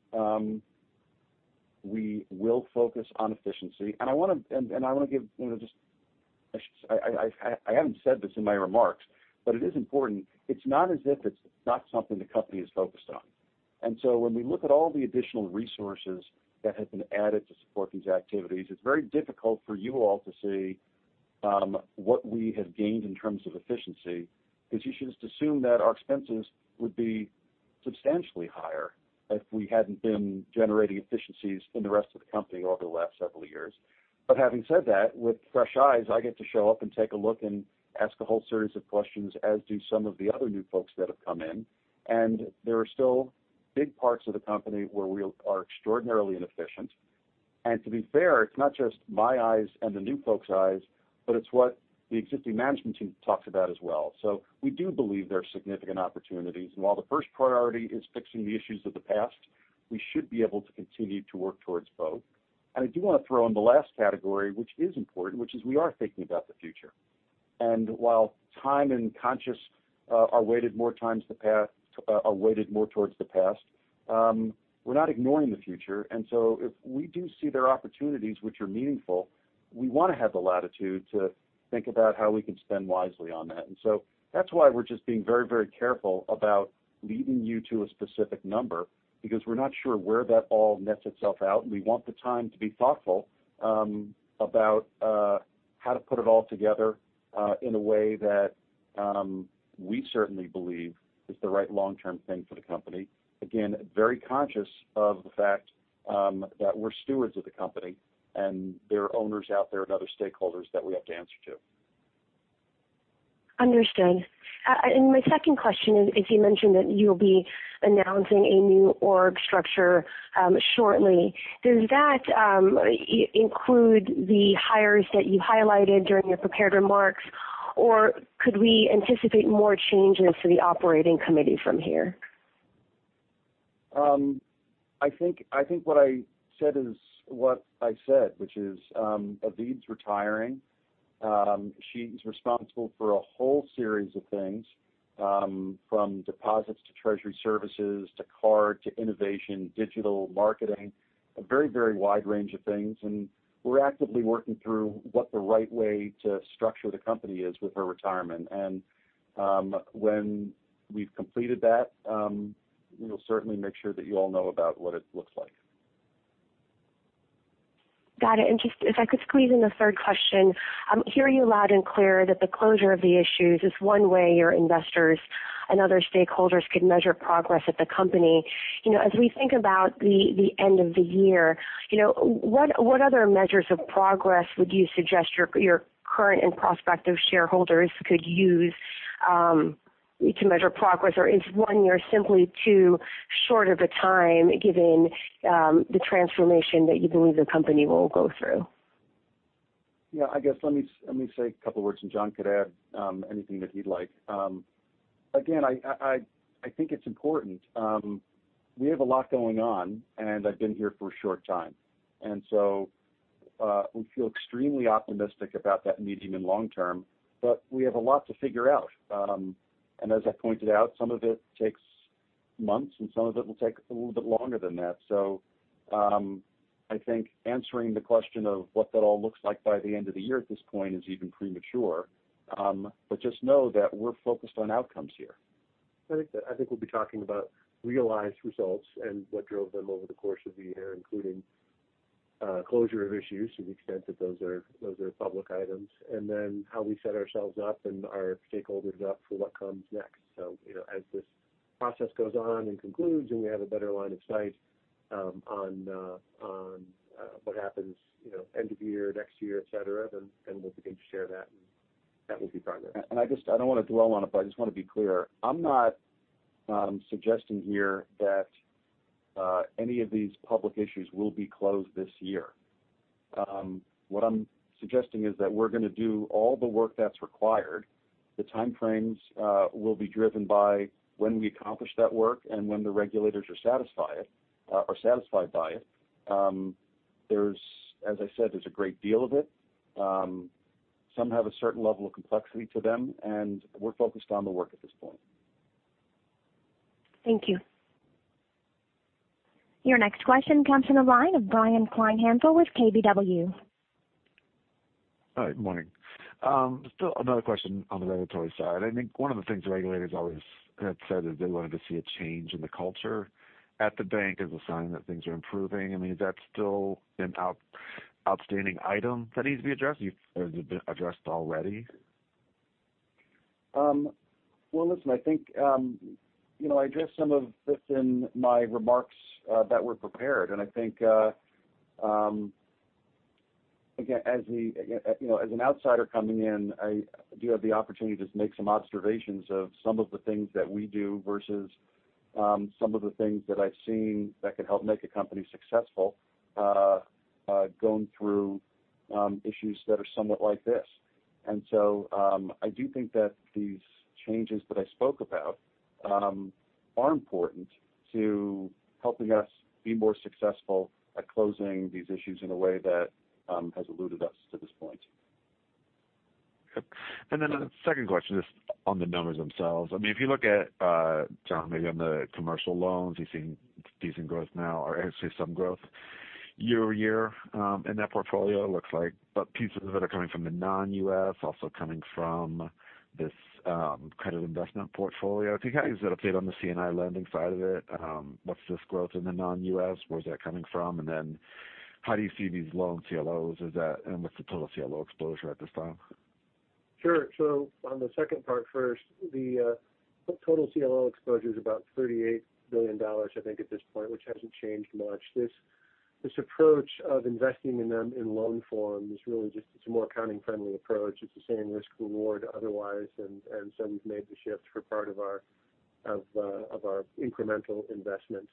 we will focus on efficiency. I haven't said this in my remarks, but it is important. It's not as if it's not something the company is focused on. When we look at all the additional resources that have been added to support these activities, it's very difficult for you all to see what we have gained in terms of efficiency, because you should just assume that our expenses would be substantially higher if we hadn't been generating efficiencies in the rest of the company over the last several years. Having said that, with fresh eyes, I get to show up and take a look and ask a whole series of questions, as do some of the other new folks that have come in. There are still big parts of the company where we are extraordinarily inefficient. To be fair, it's not just my eyes and the new folks' eyes, but it's what the existing management team talks about as well. We do believe there are significant opportunities. While the first priority is fixing the issues of the past, we should be able to continue to work towards both. I do want to throw in the last category, which is important, which is we are thinking about the future. While time and conscience are weighted more towards the past, we're not ignoring the future. If we do see there are opportunities which are meaningful, we want to have the latitude to think about how we can spend wisely on that. That's why we're just being very careful about leading you to a specific number because we're not sure where that all nets itself out. We want the time to be thoughtful about how to put it all together in a way that we certainly believe is the right long-term thing for the company. Very conscious of the fact that we're stewards of the company, and there are owners out there and other stakeholders that we have to answer to. Understood. My second question is, you mentioned that you'll be announcing a new org structure shortly. Does that include the hires that you highlighted during your prepared remarks, or could we anticipate more changes to the operating committee from here? I think what I said is what I said, which is Avid's retiring. She's responsible for a whole series of things, from deposits to treasury services to card to innovation, digital marketing. A very wide range of things. We're actively working through what the right way to structure the company is with her retirement. When we've completed that, we'll certainly make sure that you all know about what it looks like. Got it. If I could squeeze in a third question. I'm hearing you loud and clear that the closure of the issues is one way your investors and other stakeholders could measure progress at the company. As we think about the end of the year, what other measures of progress would you suggest your current and prospective shareholders could use to measure progress? Or is one year simply too short of a time, given the transformation that you believe the company will go through? Yeah. I guess let me say a couple of words, and John could add anything that he'd like. I think it's important. We have a lot going on, and I've been here for a short time. We feel extremely optimistic about that medium and long term, but we have a lot to figure out. As I pointed out, some of it takes months, and some of it will take a little bit longer than that. I think answering the question of what that all looks like by the end of the year at this point is even premature. Just know that we're focused on outcomes here. I think we'll be talking about realized results and what drove them over the course of the year, including closure of issues to the extent that those are public items, and then how we set ourselves up and our stakeholders up for what comes next. As this process goes on and concludes, and we have a better line of sight on what happens end of year, next year, et cetera, then we'll begin to share that, and that will be progress. I don't want to dwell on it, but I just want to be clear. I'm not suggesting here that any of these public issues will be closed this year. What I'm suggesting is that we're going to do all the work that's required. The time frames will be driven by when we accomplish that work and when the regulators are satisfied by it. As I said, there's a great deal of it. Some have a certain level of complexity to them, and we're focused on the work at this point. Thank you. Your next question comes from the line of Brian Kleinhanzl with KBW. Hi, morning. Still another question on the regulatory side. I think one of the things the regulators always had said is they wanted to see a change in the culture at the bank as a sign that things are improving. I mean, is that still an outstanding item that needs to be addressed, or has it been addressed already? Well, listen, I think I addressed some of this in my remarks that were prepared, and I think, again, as an outsider coming in, I do have the opportunity to make some observations of some of the things that we do versus some of the things that I've seen that could help make a company successful going through issues that are somewhat like this. I do think that these changes that I spoke about are important to helping us be more successful at closing these issues in a way that has eluded us to this point. Okay. A second question, just on the numbers themselves. I mean, if you look at, John, maybe on the commercial loans, you're seeing decent growth now, or actually some growth year-over-year in that portfolio, it looks like. Pieces of it are coming from the non-U.S., also coming from this credit investment portfolio. Can you kind of give us an update on the C&I lending side of it? What's this growth in the non-U.S.? Where's that coming from? How do you see these loan CLOs, and what's the total CLO exposure at this time? Sure. On the second part first, the total CLO exposure is about $38 billion, I think, at this point, which hasn't changed much. This approach of investing in them in loan form is really just, it's a more accounting-friendly approach. It's the same risk-reward otherwise. We've made the shift for part of our incremental investment.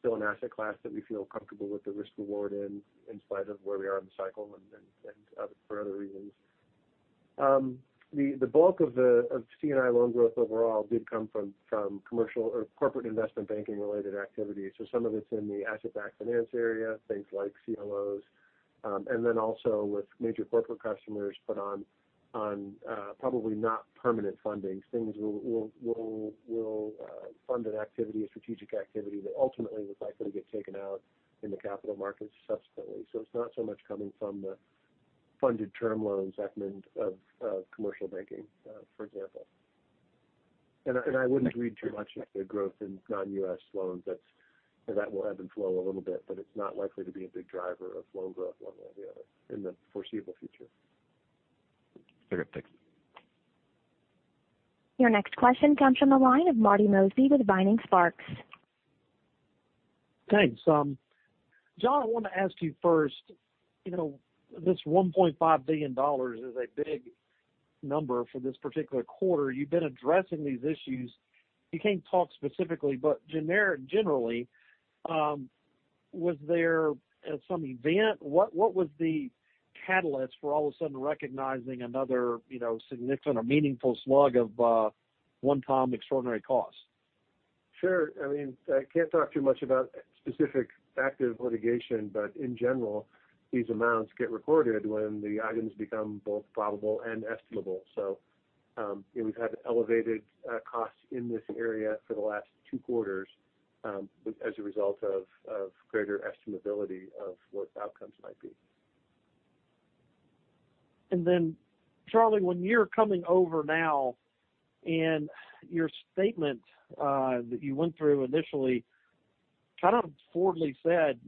Still an asset class that we feel comfortable with the risk-reward in spite of where we are in the cycle and for other reasons. The bulk of C&I loan growth overall did come from commercial or corporate investment banking-related activity. Some of it's in the asset-backed finance area, things like CLOs, and then also with major corporate customers, but on probably not permanent funding. Things will fund an activity, a strategic activity that ultimately is likely to get taken out in the capital markets subsequently. It's not so much coming from the funded term loans segment of commercial banking, for example. I wouldn't read too much into the growth in non-U.S. loans. That will ebb and flow a little bit, but it's not likely to be a big driver of loan growth one way or the other in the foreseeable future. Okay, thanks. Your next question comes from the line of Marty Mosby with Vining Sparks. Thanks. John, I want to ask you first, this $1.5 billion is a big number for this particular quarter. You've been addressing these issues. You can't talk specifically, but generally, was there some event? What was the catalyst for all of a sudden recognizing another significant or meaningful slug of one-time extraordinary costs? Sure. I can't talk too much about specific active litigation, but in general, these amounts get recorded when the items become both probable and estimable. We've had elevated costs in this area for the last two quarters as a result of greater estimability of what the outcomes might be. Charlie, when you're coming over now and your statement that you went through initially kind of forwardly said,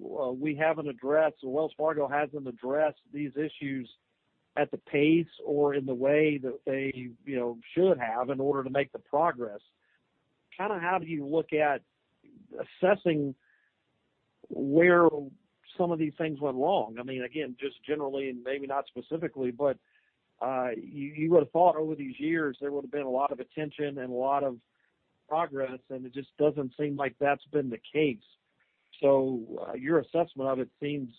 "Wells Fargo hasn't addressed these issues at the pace or in the way that they should have in order to make the progress." Kind of how do you look at assessing where some of these things went wrong? I mean, again, just generally, and maybe not specifically, but you would've thought over these years there would've been a lot of attention and a lot of progress, and it just doesn't seem like that's been the case. Your assessment of it seems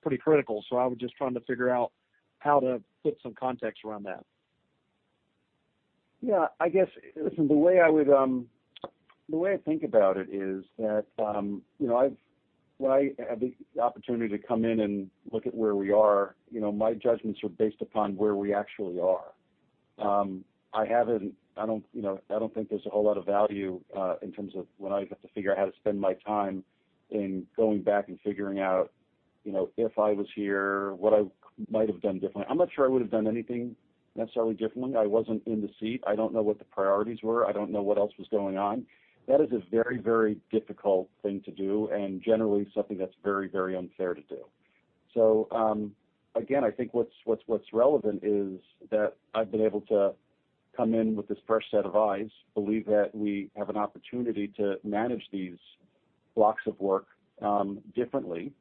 pretty critical. I was just trying to figure out how to put some context around that. Yeah. I guess, listen, the way I think about it is that when I had the opportunity to come in and look at where we are, my judgments are based upon where we actually are. I don't think there's a whole lot of value in terms of when I have to figure out how to spend my time, in going back and figuring out if I was here, what I might have done differently. I'm not sure I would've done anything necessarily differently. I wasn't in the seat. I don't know what the priorities were. I don't know what else was going on. That is a very difficult thing to do and generally something that's very unfair to do. Again, I think what's relevant is that I've been able to come in with this fresh set of eyes, believe that we have an opportunity to manage these blocks of work differently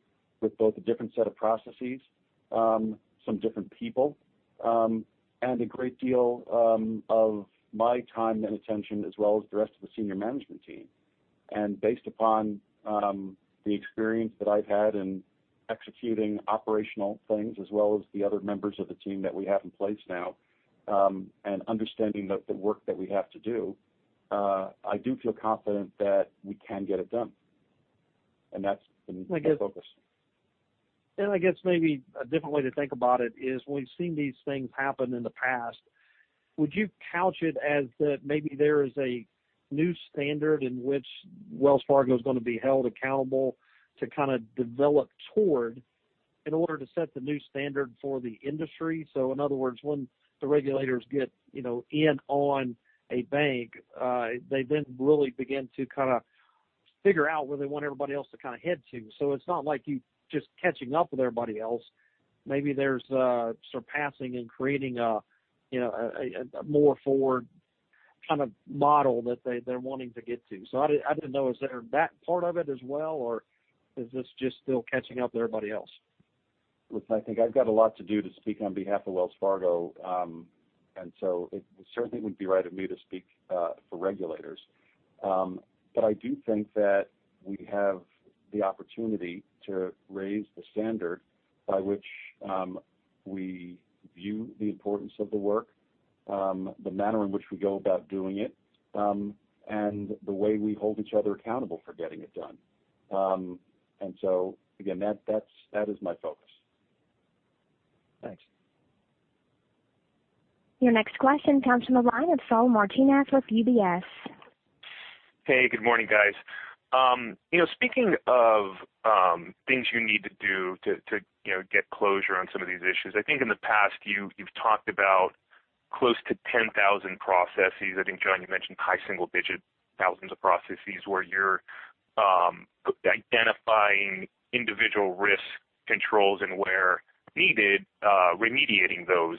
with both a different set of processes, some different people, and a great deal of my time and attention, as well as the rest of the senior management team. Based upon the experience that I've had in executing operational things as well as the other members of the team that we have in place now, and understanding the work that we have to do, I do feel confident that we can get it done. That's been my focus. I guess maybe a different way to think about it is, when we've seen these things happen in the past, would you couch it as that maybe there is a new standard in which Wells Fargo is going to be held accountable to kind of develop toward in order to set the new standard for the industry? In other words, when the regulators get in on a bank, they then really begin to kind of figure out where they want everybody else to kind of head to. It's not like you're just catching up with everybody else. Maybe there's surpassing and creating a more forward kind of model that they're wanting to get to. I didn't know, is there that part of it as well, or is this just still catching up to everybody else? Look, I think I've got a lot to do to speak on behalf of Wells Fargo. It certainly wouldn't be right for me to speak for regulators. I do think that we have the opportunity to raise the standard by which we view the importance of the work, the manner in which we go about doing it, and the way we hold each other accountable for getting it done. Again, that is my focus. Thanks. Your next question comes from the line of Saul Martinez with UBS. Hey, good morning, guys. Speaking of things you need to do to get closure on some of these issues. I think in the past you've talked about close to 10,000 processes. I think, John, you mentioned high single-digit thousands of processes where you're identifying individual risk controls and, where needed, remediating those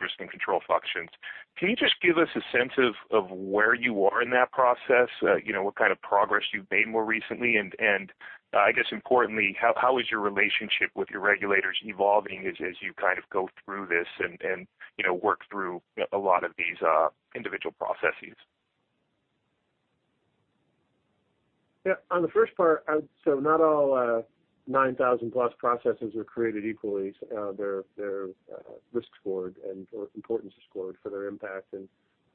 risk and control functions. Can you just give us a sense of where you are in that process? What kind of progress you've made more recently? I guess importantly, how is your relationship with your regulators evolving as you kind of go through this and work through a lot of these individual processes? On the first part, not all 9,000-plus processes were created equally. They're risk-scored and importance-scored for their impact, and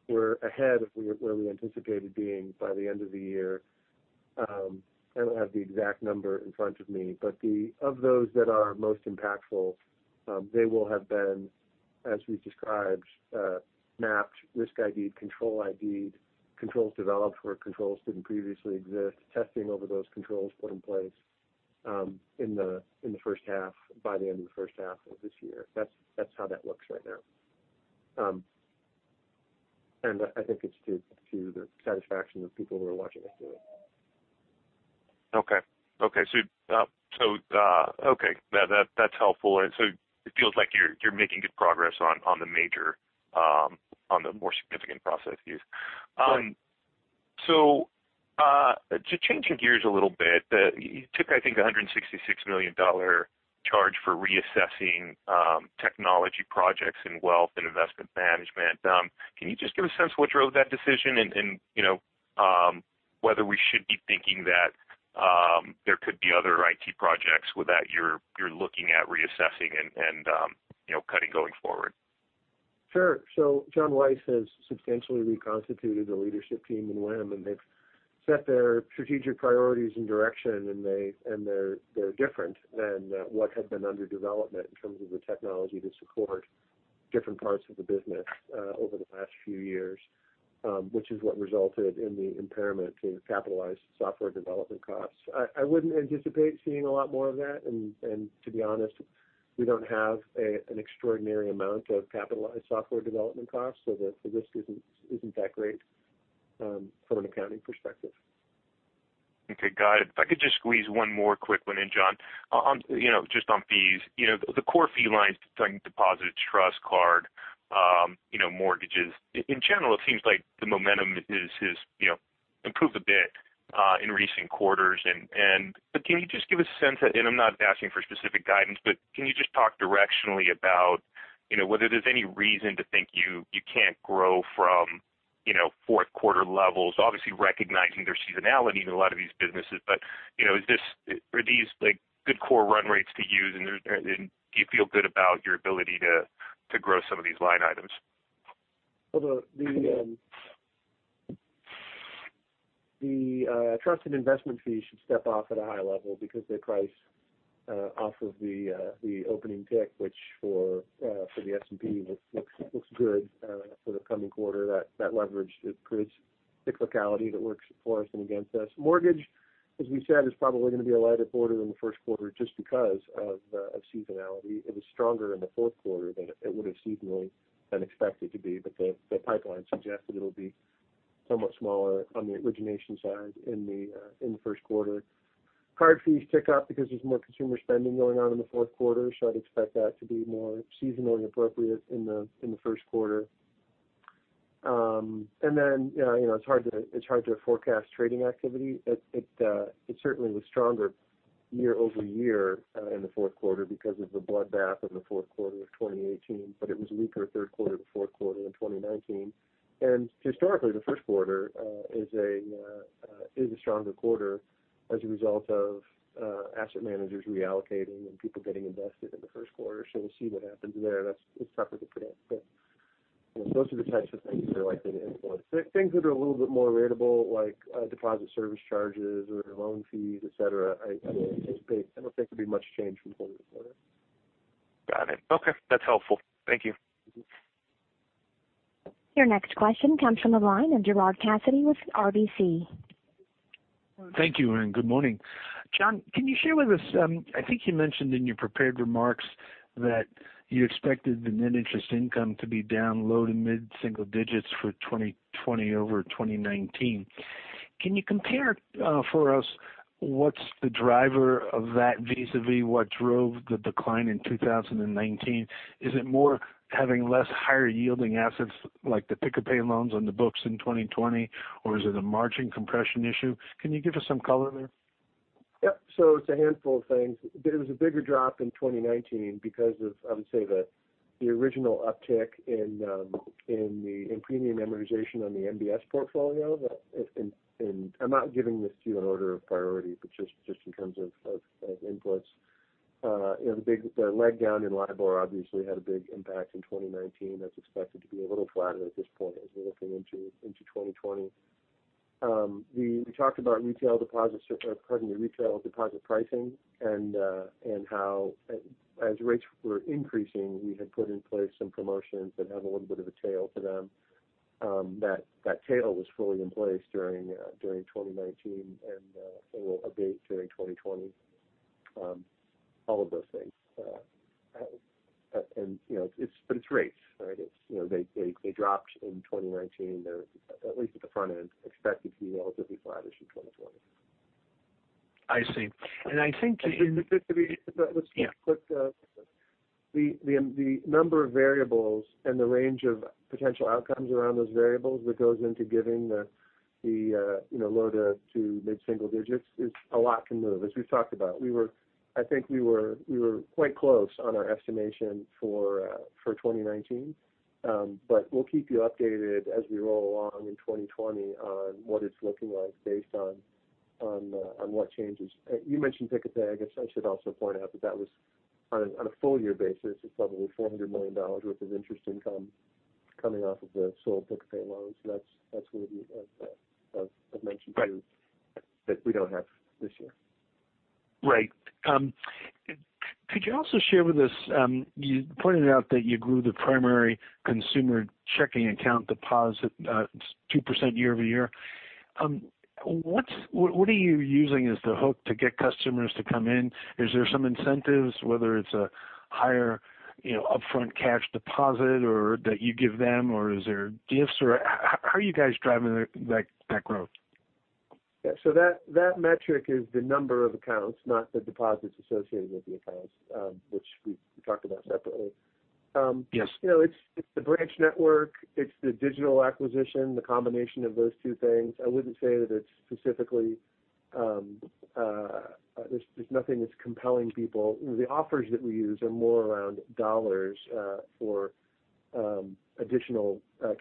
we're ahead of where we anticipated being by the end of the year. I don't have the exact number in front of me, but of those that are most impactful, they will have been, as we've described, mapped, risk ID, control ID, controls developed where controls didn't previously exist, testing over those controls put in place by the end of the first half of this year. That's how that looks right now. I think it's to the satisfaction of people who are watching us do it. Okay. That's helpful. It feels like you're making good progress on the more significant processes. Right. To change gears a little bit, you took, I think, $166 million charge for reassessing technology projects in Wealth and Investment Management. Can you just give a sense of what drove that decision and whether we should be thinking that there could be other IT projects that you're looking at reassessing and cutting going forward? Sure. Jon Weiss has substantially reconstituted the leadership team in WIM, and they've set their strategic priorities and direction, and they're different than what had been under development in terms of the technology to support different parts of the business over the last few years, which is what resulted in the impairment to capitalized software development costs. I wouldn't anticipate seeing a lot more of that, and to be honest, we don't have an extraordinary amount of capitalized software development costs so the risk isn't that great from an accounting perspective. Okay, got it. If I could just squeeze one more quick one in, John. Just on fees. The core fee lines, deposit, trust, card, mortgages. In general, it seems like the momentum has improved a bit in recent quarters. Can you just give a sense, and I'm not asking for specific guidance, but can you just talk directionally about whether there's any reason to think you can't grow from fourth quarter levels? Obviously recognizing there's seasonality in a lot of these businesses, but are these good core run rates to use, and do you feel good about your ability to grow some of these line items? Well, the trust and investment fees should step off at a high level because they price off of the opening tick, which for the S&P looks good for the coming quarter. That leverage creates cyclicality that works for us and against us. Mortgage, as we said, is probably going to be a lighter quarter than the first quarter just because. Of seasonality. It was stronger in the fourth quarter than it would have seasonally been expected to be, but the pipeline suggests that it'll be somewhat smaller on the origination side in the first quarter. Card fees tick up because there's more consumer spending going on in the fourth quarter. I'd expect that to be more seasonally appropriate in the first quarter. It's hard to forecast trading activity. It certainly was stronger year-over-year in the fourth quarter because of the bloodbath in the fourth quarter of 2018, but it was weaker third quarter to fourth quarter in 2019. Historically, the first quarter is a stronger quarter as a result of asset managers reallocating and people getting invested in the first quarter. We'll see what happens there. That's tougher to predict. Those are the types of things that are likely to influence. Things that are a little bit more ratable, like deposit service charges or loan fees, et cetera, I don't think there'll be much change from quarter to quarter. Got it. Okay. That's helpful. Thank you. Your next question comes from the line of Gerard Cassidy with RBC. Thank you, good morning. John, can you share with us, I think you mentioned in your prepared remarks that you expected the net interest income to be down low to mid-single digits for 2020 over 2019. Can you compare for us what's the driver of that vis-a-vis what drove the decline in 2019? Is it more having less higher-yielding assets like the Pick-a-Pay loans on the books in 2020, or is it a margin compression issue? Can you give us some color there? Yep. It's a handful of things. There was a bigger drop in 2019 because of, I would say, the original uptick in premium amortization on the MBS portfolio. I'm not giving this to you in order of priority, but just in terms of inputs. The leg down in LIBOR obviously had a big impact in 2019. That's expected to be a little flatter at this point as we're looking into 2020. We talked about retail deposit pricing and how, as rates were increasing, we had put in place some promotions that have a little bit of a tail to them. That tail was fully in place during 2019 and will abate during 2020. All of those things. It's rates, right? They dropped in 2019. They're, at least at the front end, expected to be relatively flattish in 2020. I see. Let's be quick. The number of variables and the range of potential outcomes around those variables that goes into giving the low to mid-single digits is a lot can move. As we've talked about, I think we were quite close on our estimation for 2019. We'll keep you updated as we roll along in 2020 on what it's looking like based on what changes. You mentioned Pick-a-Pay. I guess I should also point out that that was on a full-year basis. It's probably $400 million worth of interest income coming off of the sold Pick-a-Pay loans. That's one of the, as I've mentioned to you- Right That we don't have this year. Right. Could you also share with us, you pointed out that you grew the primary consumer checking account deposit 2% year-over-year? What are you using as the hook to get customers to come in? Is there some incentives, whether it's a higher upfront cash deposit that you give them, or is there gifts, or how are you guys driving that growth? Yeah. That metric is the number of accounts, not the deposits associated with the accounts, which we talked about separately. Yes. It's the branch network. It's the digital acquisition, the combination of those two things. There's nothing that's compelling people. The offers that we use are more around dollars for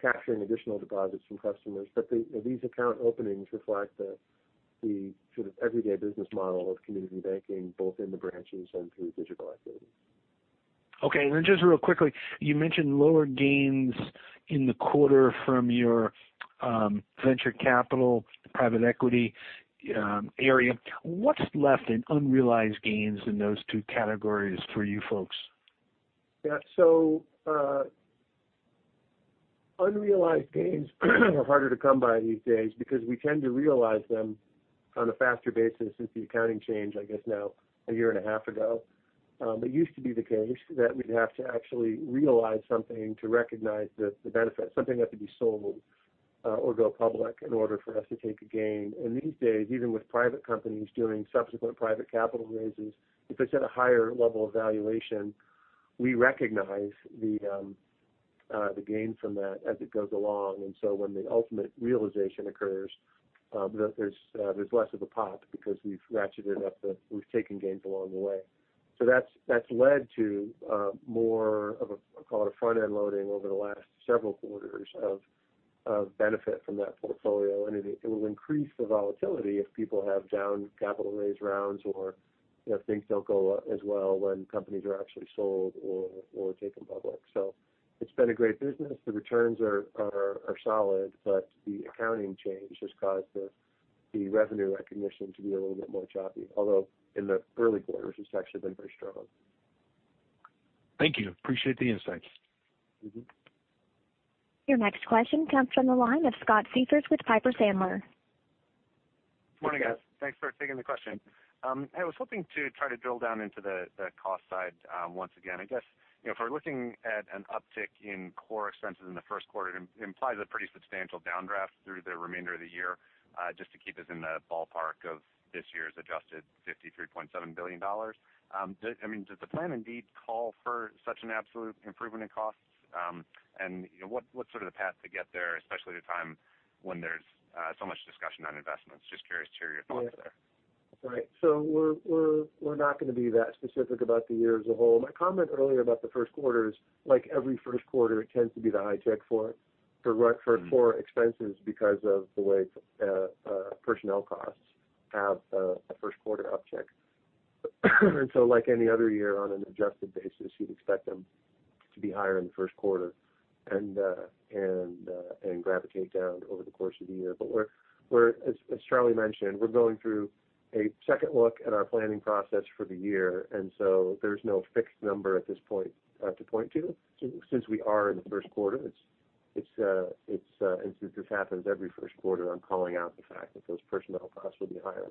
capturing additional deposits from customers. These account openings reflect the everyday business model of community banking, both in the branches and through digital activities. Okay. Just real quickly, you mentioned lower gains in the quarter from your venture capital, private equity area. What's left in unrealized gains in those two categories for you folks? Yeah. Unrealized gains are harder to come by these days because we tend to realize them on a faster basis since the accounting change, I guess, now a year and a half ago. It used to be the case that we'd have to actually realize something to recognize the benefit. Something had to be sold or go public in order for us to take a gain. These days, even with private companies doing subsequent private capital raises, if it's at a higher level of valuation, we recognize the gain from that as it goes along. When the ultimate realization occurs, there's less of a pop because we've ratcheted up. We've taken gains along the way. That's led to more of, I'll call it, a front-end loading over the last several quarters of benefit from that portfolio. It will increase the volatility if people have down capital raise rounds or if things don't go as well when companies are actually sold or taken public. It's been a great business. The returns are solid, but the accounting change has caused the revenue recognition to be a little bit more choppy, although in the early quarters, it's actually been very strong. Thank you. Appreciate the insights. Your next question comes from the line of Scott Siefers with Piper Sandler. Morning, guys. Thanks for taking the question. I was hoping to try to drill down into the cost side once again. I guess, if we're looking at an uptick in core expenses in the first quarter, it implies a pretty substantial downdraft through the remainder of the year, just to keep us in the ballpark of this year's adjusted $53.7 billion. Does the plan indeed call for such an absolute improvement in costs? What's sort of the path to get there, especially at a time when there's so much discussion on investments? Just curious to hear your thoughts there. Right. We're not going to be that specific about the year as a whole. My comment earlier about the first quarter is, like every first quarter, it tends to be the high tick for it, for core expenses because of the way personnel costs have a first quarter uptick. Like any other year on an adjusted basis, you'd expect them to be higher in the first quarter and gravitate down over the course of the year. As Charlie mentioned, we're going through a second look at our planning process for the year, there's no fixed number at this point to point to since we are in the first quarter. This happens every first quarter. I'm calling out the fact that those personnel costs will be higher.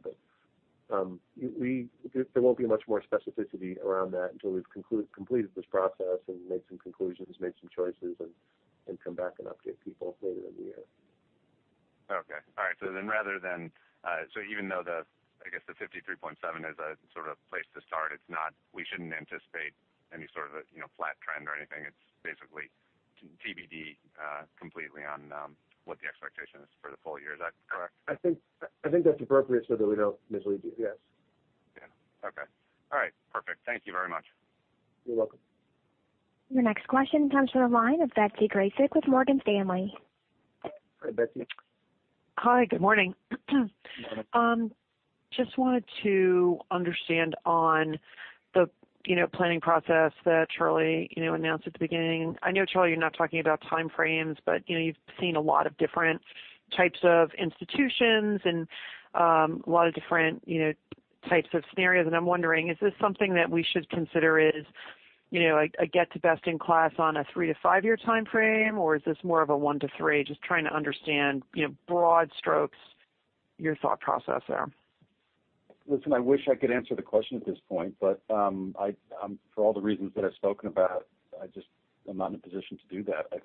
There won't be much more specificity around that until we've completed this process and made some conclusions, made some choices, and come back and update people later in the year. Okay. All right. Even though the, I guess, the $53.7 billion is a sort of place to start, we shouldn't anticipate any sort of a flat trend or anything. It's basically TBD completely on what the expectation is for the full-year. Is that correct? I think that's appropriate so that we don't mislead you. Yes. Yeah. Okay. All right, perfect. Thank you very much. You're welcome. Your next question comes from the line of Betsy Graseck with Morgan Stanley. Hi, Betsy. Hi, good morning. Good morning. Just wanted to understand on the planning process that Charlie announced at the beginning. I know, Charlie, you're not talking about timeframes, but you've seen a lot of different types of institutions and a lot of different types of scenarios, and I'm wondering, is this something that we should consider as a get to best in class on a three to five-year timeframe, or is this more of a one to three? Just trying to understand broad strokes, your thought process there. Listen, I wish I could answer the question at this point, for all the reasons that I've spoken about, I'm not in a position to do that. I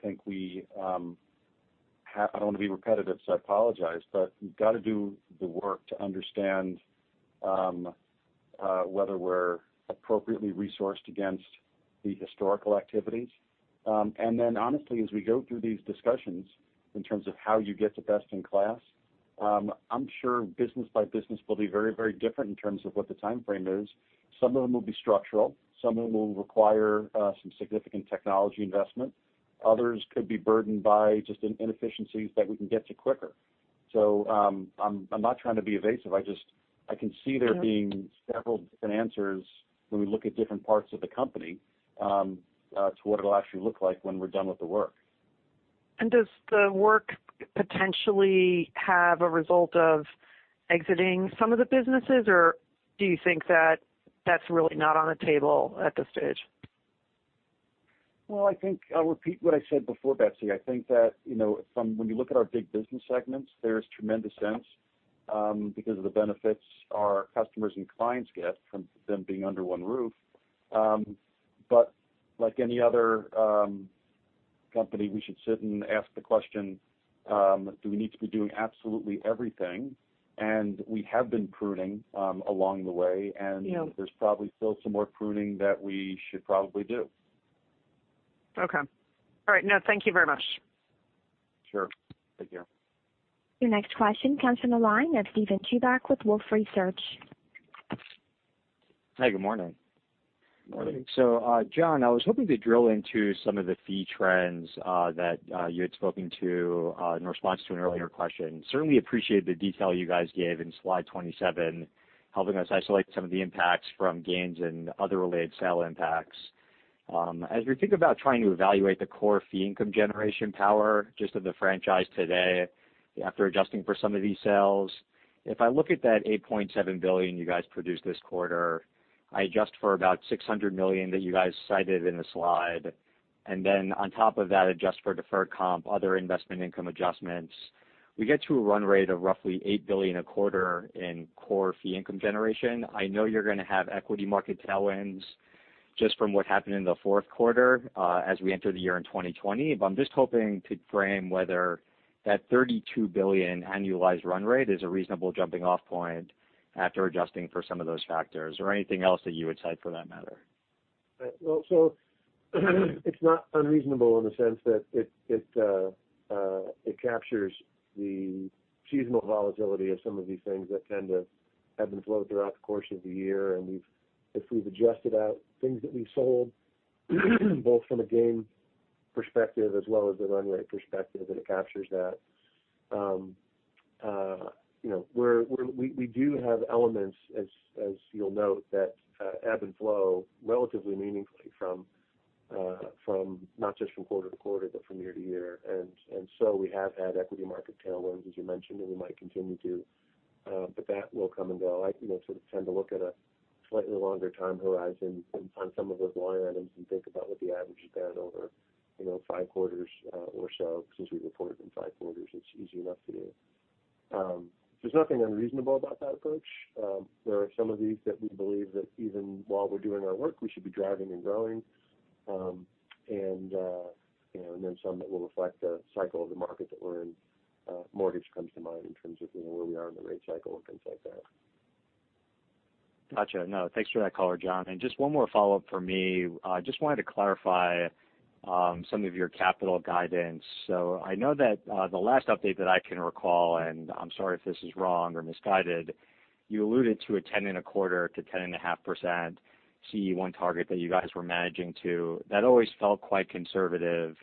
don't want to be repetitive, I apologize, but we've got to do the work to understand whether we're appropriately resourced against the historical activities. Honestly, as we go through these discussions in terms of how you get to best in class, I'm sure business by business will be very different in terms of what the timeframe is. Some of them will be structural, some of them will require some significant technology investment. Others could be burdened by just inefficiencies that we can get to quicker. I'm not trying to be evasive. I can see there being several different answers when we look at different parts of the company to what it'll actually look like when we're done with the work. Does the work potentially have a result of exiting some of the businesses, or do you think that that's really not on the table at this stage? Well, I'll repeat what I said before, Betsy. I think that when you look at our big business segments, there's tremendous sense because of the benefits our customers and clients get from them being under one roof. Like any other company, we should sit and ask the question, do we need to be doing absolutely everything? We have been pruning along the way. Yeah. There's probably still some more pruning that we should probably do. Okay. All right. No, thank you very much. Sure. Thank you. Your next question comes from the line of Steven Chubak with Wolfe Research. Hi, good morning. Morning. John, I was hoping to drill into some of the fee trends that you had spoken to in response to an earlier question. Certainly, appreciate the detail you guys gave in slide 27, helping us isolate some of the impacts from gains and other related sales impacts. As we think about trying to evaluate the core fee income generation power just of the franchise today, after adjusting for some of these sales, if I look at those $8.7 billion you guys produced this quarter, I adjust for about $600 million that you guys cited in the slide. Then on top of that, adjust for deferred comp, other investment income adjustments, we get to a run rate of roughly $8 billion a quarter in core fee income generation. I know you're going to have equity market tailwinds just from what happened in the fourth quarter as we enter the year in 2020. I'm just hoping to frame whether that $32 billion annualized run rate is a reasonable jumping-off point after adjusting for some of those factors or anything else that you would cite for that matter. It's not unreasonable in the sense that it captures the seasonal volatility of some of these things that tend to ebb and flow throughout the course of the year. If we've adjusted out things that we've sold, both from a gain perspective as well as a run rate perspective, then it captures that. We do have elements, as you'll note, that ebb and flow relatively meaningfully from not just from quarter-to-quarter, but from year-to-year. We have had equity market tailwinds, as you mentioned, and we might continue to. That will come and go. Slightly longer time horizon on some of those line items, and think about what the average has been over five quarters or so. Since we report it in five quarters, it's easy enough to do. There's nothing unreasonable about that approach. There are some of these that we believe that even while we're doing our work, we should be driving and growing. Some that will reflect the cycle of the market that we're in. Mortgage comes to mind in terms of where we are in the rate cycle and things like that. Got you. No, thanks for that color, John. Just one more follow-up for me. I just wanted to clarify some of your capital guidance. I know that the last update that I can recall, and I'm sorry if this is wrong or misguided, you alluded to a 10.25%-10.5% CET1 target that you guys were managing to. That always felt quite conservative.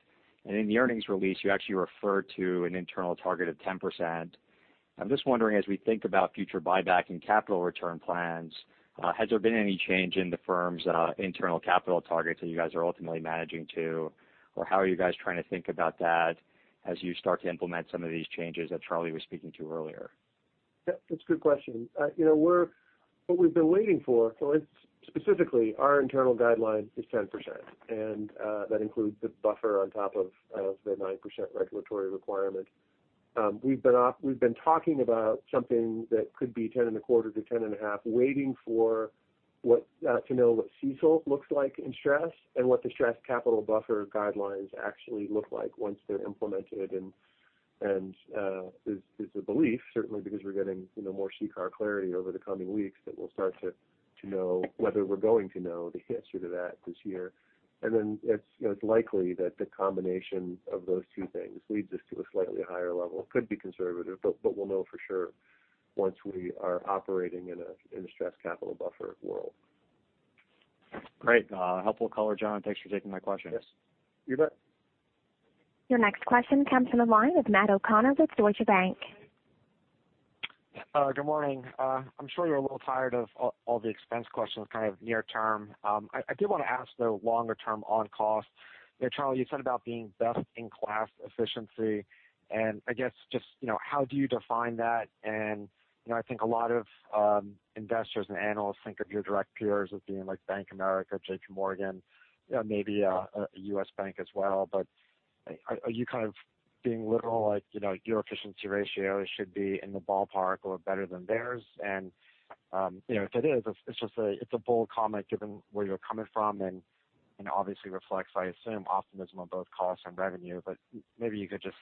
In the earnings release, you actually referred to an internal target of 10%. I'm just wondering, as we think about future buyback and capital return plans, has there been any change in the firm's internal capital targets that you guys are ultimately managing to? How are you guys trying to think about that as you start to implement some of these changes that Charlie was speaking to earlier? Yeah, that's a good question. What we've been waiting for, specifically our internal guideline is 10%, and that includes the buffer on top of the 9% regulatory requirement. We've been talking about something that could be 10.25%-10.5%, waiting to know what CECL looks like in stress and what the stress capital buffer guidelines actually look like once they're implemented. It's a belief, certainly because we're getting more CCAR clarity over the coming weeks, that we'll start to know whether we're going to know the answer to that this year. It's likely that the combination of those two things leads us to a slightly higher level. Could be conservative, but we'll know for sure once we are operating in a stress capital buffer world. Great. Helpful color, John. Thanks for taking my question. Yes. You bet. Your next question comes from the line of Matt O'Connor with Deutsche Bank. Good morning. I'm sure you're a little tired of all the expense questions kind of near-term. I did want to ask, longer term on cost. Charlie, you said about being best in class efficiency. How do you define that? I think a lot of investors and analysts think of your direct peers as being like Bank of America, JPMorgan, maybe U.S. Bank as well. Are you kind of being literal, like your efficiency ratio should be in the ballpark or better than theirs? If it is, it's a bold comment given where you're coming from and obviously reflects, I assume, optimism on both cost and revenue. Maybe you could just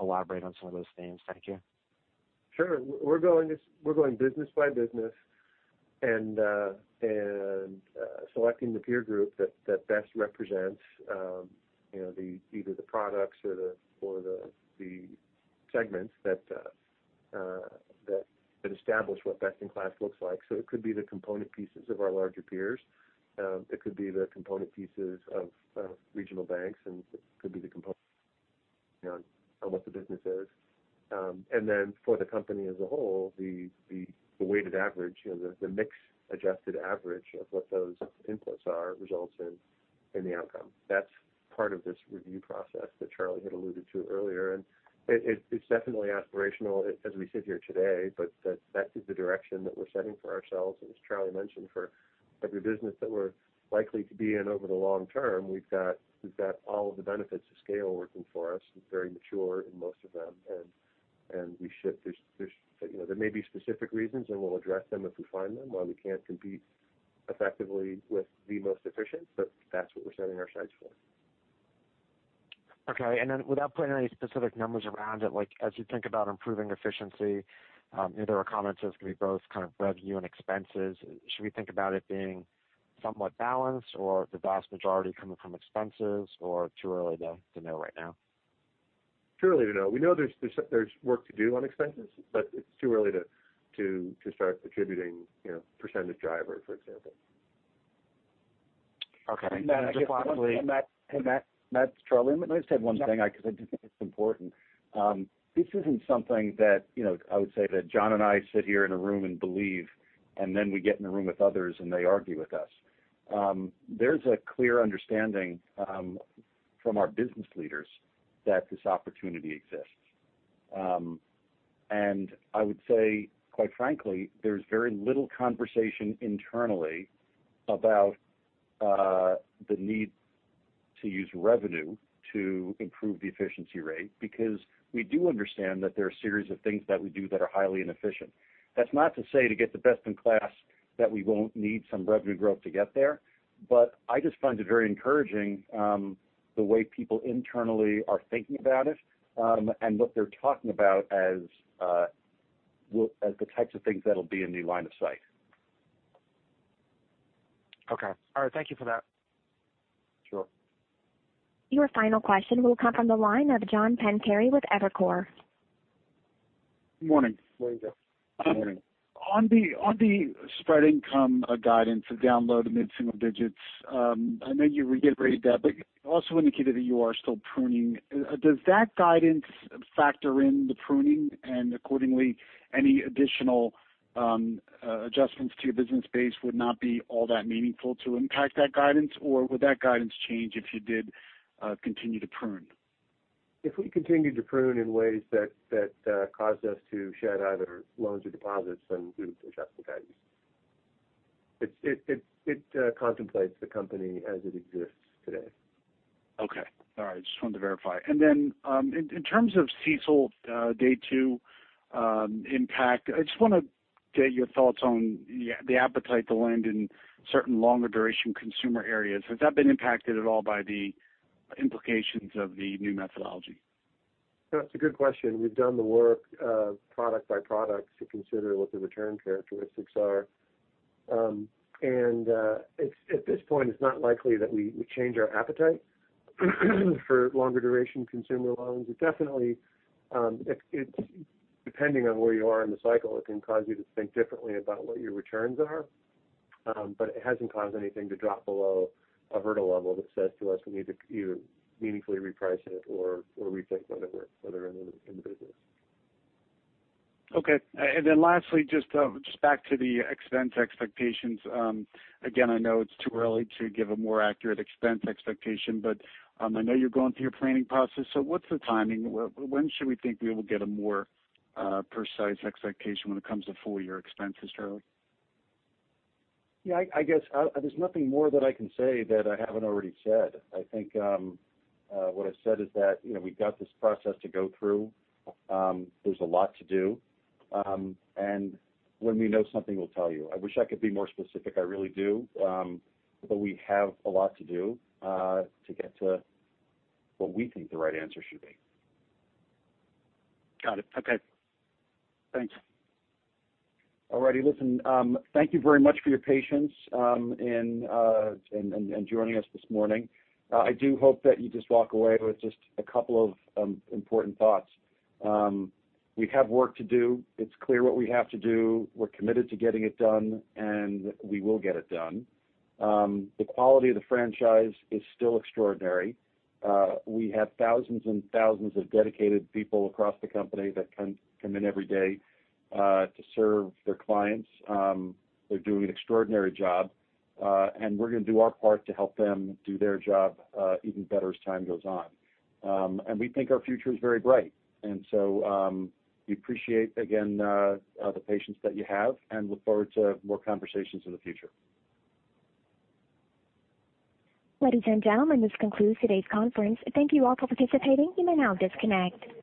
elaborate on some of those themes. Thank you. Sure. We're going business by business and selecting the peer group that best represents either the products or the segments that establish what best in class looks like. It could be the component pieces of our larger peers. It could be the component pieces of regional banks. It could be the component on what the business is. For the company as a whole, the weighted average, the mix-adjusted average of what those inputs are results in the outcome. That's part of this review process that Charlie had alluded to earlier. It's definitely aspirational as we sit here today. That is the direction that we're setting for ourselves. As Charlie mentioned, for every business that we're likely to be in over the long term, we've got all of the benefits of scale working for us. It's very mature in most of them. There may be specific reasons, and we'll address them if we find them, why we can't compete effectively with the most efficient. That's what we're setting our sights for. Okay. Without putting any specific numbers around it, as you think about improving efficiency, there are comments as to be both kind of revenue and expenses. Should we think about it being somewhat balanced or the vast majority coming from expenses, or too early to know right now? Too early to know. We know there's work to do on expenses, it's too early to start attributing percentage driver, for example. Okay. Matt- Just quickly. Hey, Matt. It's Charlie. Let me just add one thing because I do think it's important. This isn't something that I would say that John and I sit here in a room and believe, and then we get in a room with others, and they argue with us. There's a clear understanding from our business leaders that this opportunity exists. I would say, quite frankly, there's very little conversation internally about the need to use revenue to improve the efficiency rate because we do understand that there are a series of things that we do that are highly inefficient. That's not to say to get the best in class that we won't need some revenue growth to get there. I just find it very encouraging the way people internally are thinking about it and what they're talking about as the types of things that'll be in the line of sight. Okay. All right. Thank you for that. Sure. Your final question will come from the line of John Pancari with Evercore. Morning. Morning. On the spread income guidance of down mid-single digits, I know you reiterated that, but you also indicated that you are still pruning. Does that guidance factor in the pruning and accordingly any additional adjustments to your business base would not be all that meaningful to impact that guidance? Would that guidance change if you did continue to prune? If we continue to prune in ways that cause us to shed either loans or deposits, then we would adjust the guidance. It contemplates the company as it exists today. Okay. All right. Just wanted to verify. Then in terms of CECL Day two impact, I just want to get your thoughts on the appetite to lend in certain longer duration consumer areas. Has that been impacted at all by the implications of the new methodology? That's a good question. We've done the work product by product to consider what the return characteristics are. At this point, it's not likely that we change our appetite for longer-duration consumer loans. Depending on where you are in the cycle, it can cause you to think differently about what your returns are. It hasn't caused anything to drop below a hurdle level that says to us we need to either meaningfully reprice it or rethink whether they're in the business. Okay. Lastly, just back to the expense expectations. Again, I know it's too early to give a more accurate expense expectation, but I know you're going through your planning process. What's the timing? When should we think we will get a more precise expectation when it comes to full-year expenses, Charlie? Yeah, I guess there's nothing more that I can say that I haven't already said. I think what I've said is that we've got this process to go through. There's a lot to do. When we know something, we'll tell you. I wish I could be more specific; I really do. We have a lot to do to get to what we think the right answer should be. Got it. Okay. Thanks. All righty. Listen, thank you very much for your patience and joining us this morning. I do hope that you just walk away with just a couple of important thoughts. We have work to do. It's clear what we have to do. We're committed to getting it done, and we will get it done. The quality of the franchise is still extraordinary. We have thousands and thousands of dedicated people across the company that come in every day to serve their clients. They're doing an extraordinary job. We're going to do our part to help them do their job even better as time goes on. We think our future is very bright. We appreciate, again, the patience that you have and look forward to more conversations in the future. Ladies and gentlemen, this concludes today's conference. Thank you all for participating. You may now disconnect.